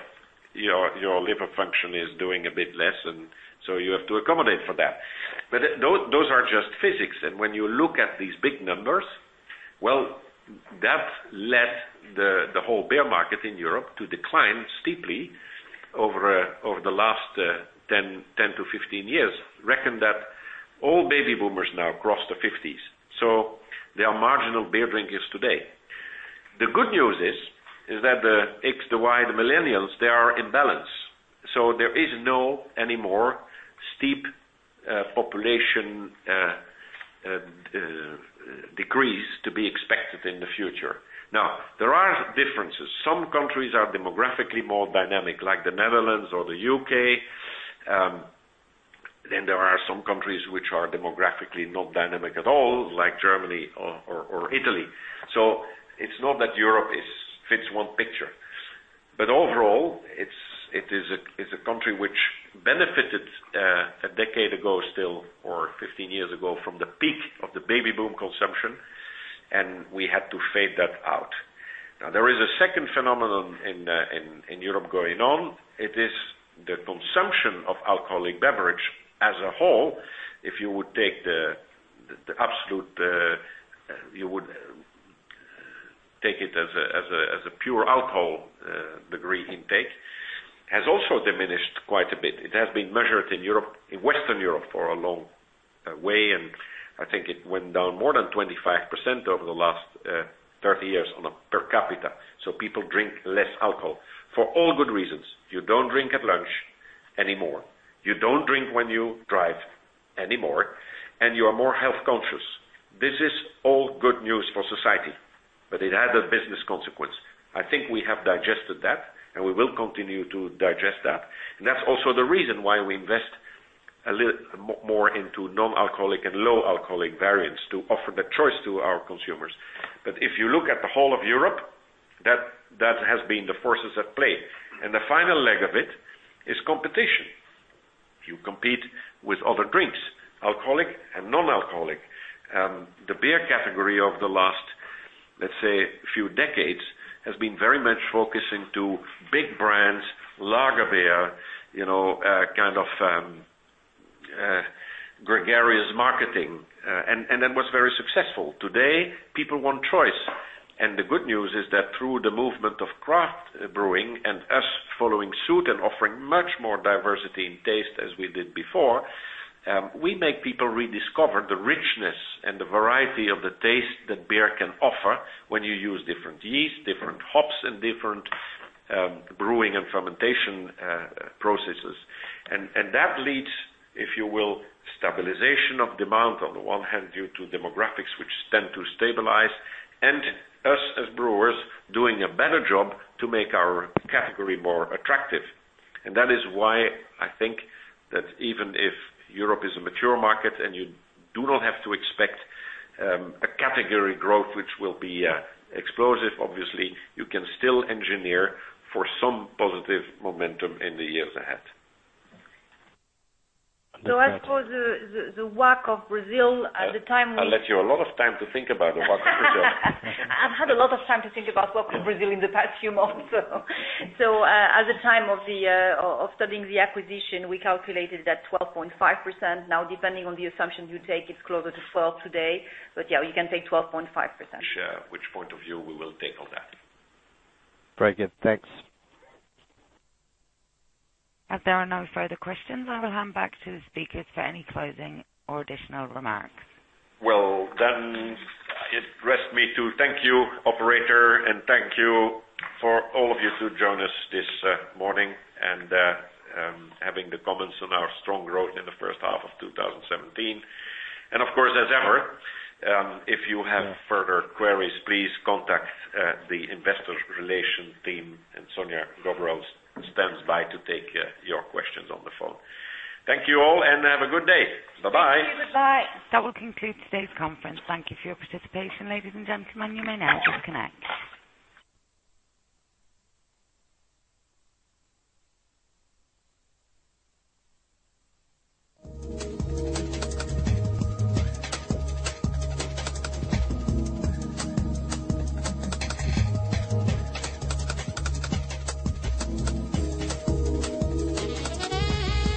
your liver function is doing a bit less, and so you have to accommodate for that. Those are just physics. When you look at these big numbers, well, that led the whole beer market in Europe to decline steeply over the last 10-15 years. Reckon that all baby boomers now cross the 50s, so they are marginal beer drinkers today. The good news is that the X, the Y, the millennials, they are in balance. There is no anymore steep population decrease to be expected in the future. Now, there are differences. Some countries are demographically more dynamic, like the Netherlands or the U.K. There are some countries which are demographically not dynamic at all, like Germany or Italy. It's not that Europe fits one picture. Overall, it is a country which benefited, a decade ago still, or 15 years ago, from the peak of the baby boom consumption, and we had to fade that out. There is a second phenomenon in Europe going on. It is the consumption of alcoholic beverage as a whole. If you would take the absolute, you would take it as a pure alcohol degree intake, has also diminished quite a bit. It has been measured in Western Europe for a long way, and I think it went down more than 25% over the last 30 years on a per capita. People drink less alcohol for all good reasons. You don't drink at lunch anymore. You don't drink when you drive anymore, and you are more health-conscious. This is all good news for society, it had a business consequence. I think we have digested that, and we will continue to digest that. That's also the reason why we invest a little more into non-alcoholic and low alcoholic variants to offer the choice to our consumers. If you look at the whole of Europe, that has been the forces at play. The final leg of it is competition. You compete with other drinks, alcoholic and non-alcoholic. The beer category of the last, let's say, few decades, has been very much focusing to big brands, lager beer, kind of gregarious marketing. That was very successful. Today, people want choice. The good news is that through the movement of craft brewing and us following suit and offering much more diversity in taste as we did before, we make people rediscover the richness and the variety of the taste that beer can offer when you use different yeast, different hops, and different brewing and fermentation processes. That leads, if you will, stabilization of demand on the one hand due to demographics, which tend to stabilize, and us, as brewers, doing a better job to make our category more attractive. That is why I think that even if Europe is a mature market and you do not have to expect a category growth, which will be explosive, obviously, you can still engineer for some positive momentum in the years ahead. And that- I suppose the WACC of Brazil at the time. I let you a lot of time to think about the WACC of Brazil. I've had a lot of time to think about WACC of Brazil in the past few months. At the time of studying the acquisition, we calculated that 12.5%. Depending on the assumptions you take, it's closer to 12 today. Yeah, you can take 12.5%. Which point of view we will take on that. Very good. Thanks. As there are no further questions, I will hand back to the speakers for any closing or additional remarks. Well, it rests me to thank you, operator, and thank you for all of you to join us this morning and having the comments on our strong growth in the first half of 2017. Of course, as ever, if you have further queries, please contact the investor relations team, and Sonia Gvozdova stands by to take your questions on the phone. Thank you all, and have a good day. Bye-bye. Thank you. Bye-bye. That will conclude today's conference. Thank you for your participation, ladies and gentlemen. You may now disconnect.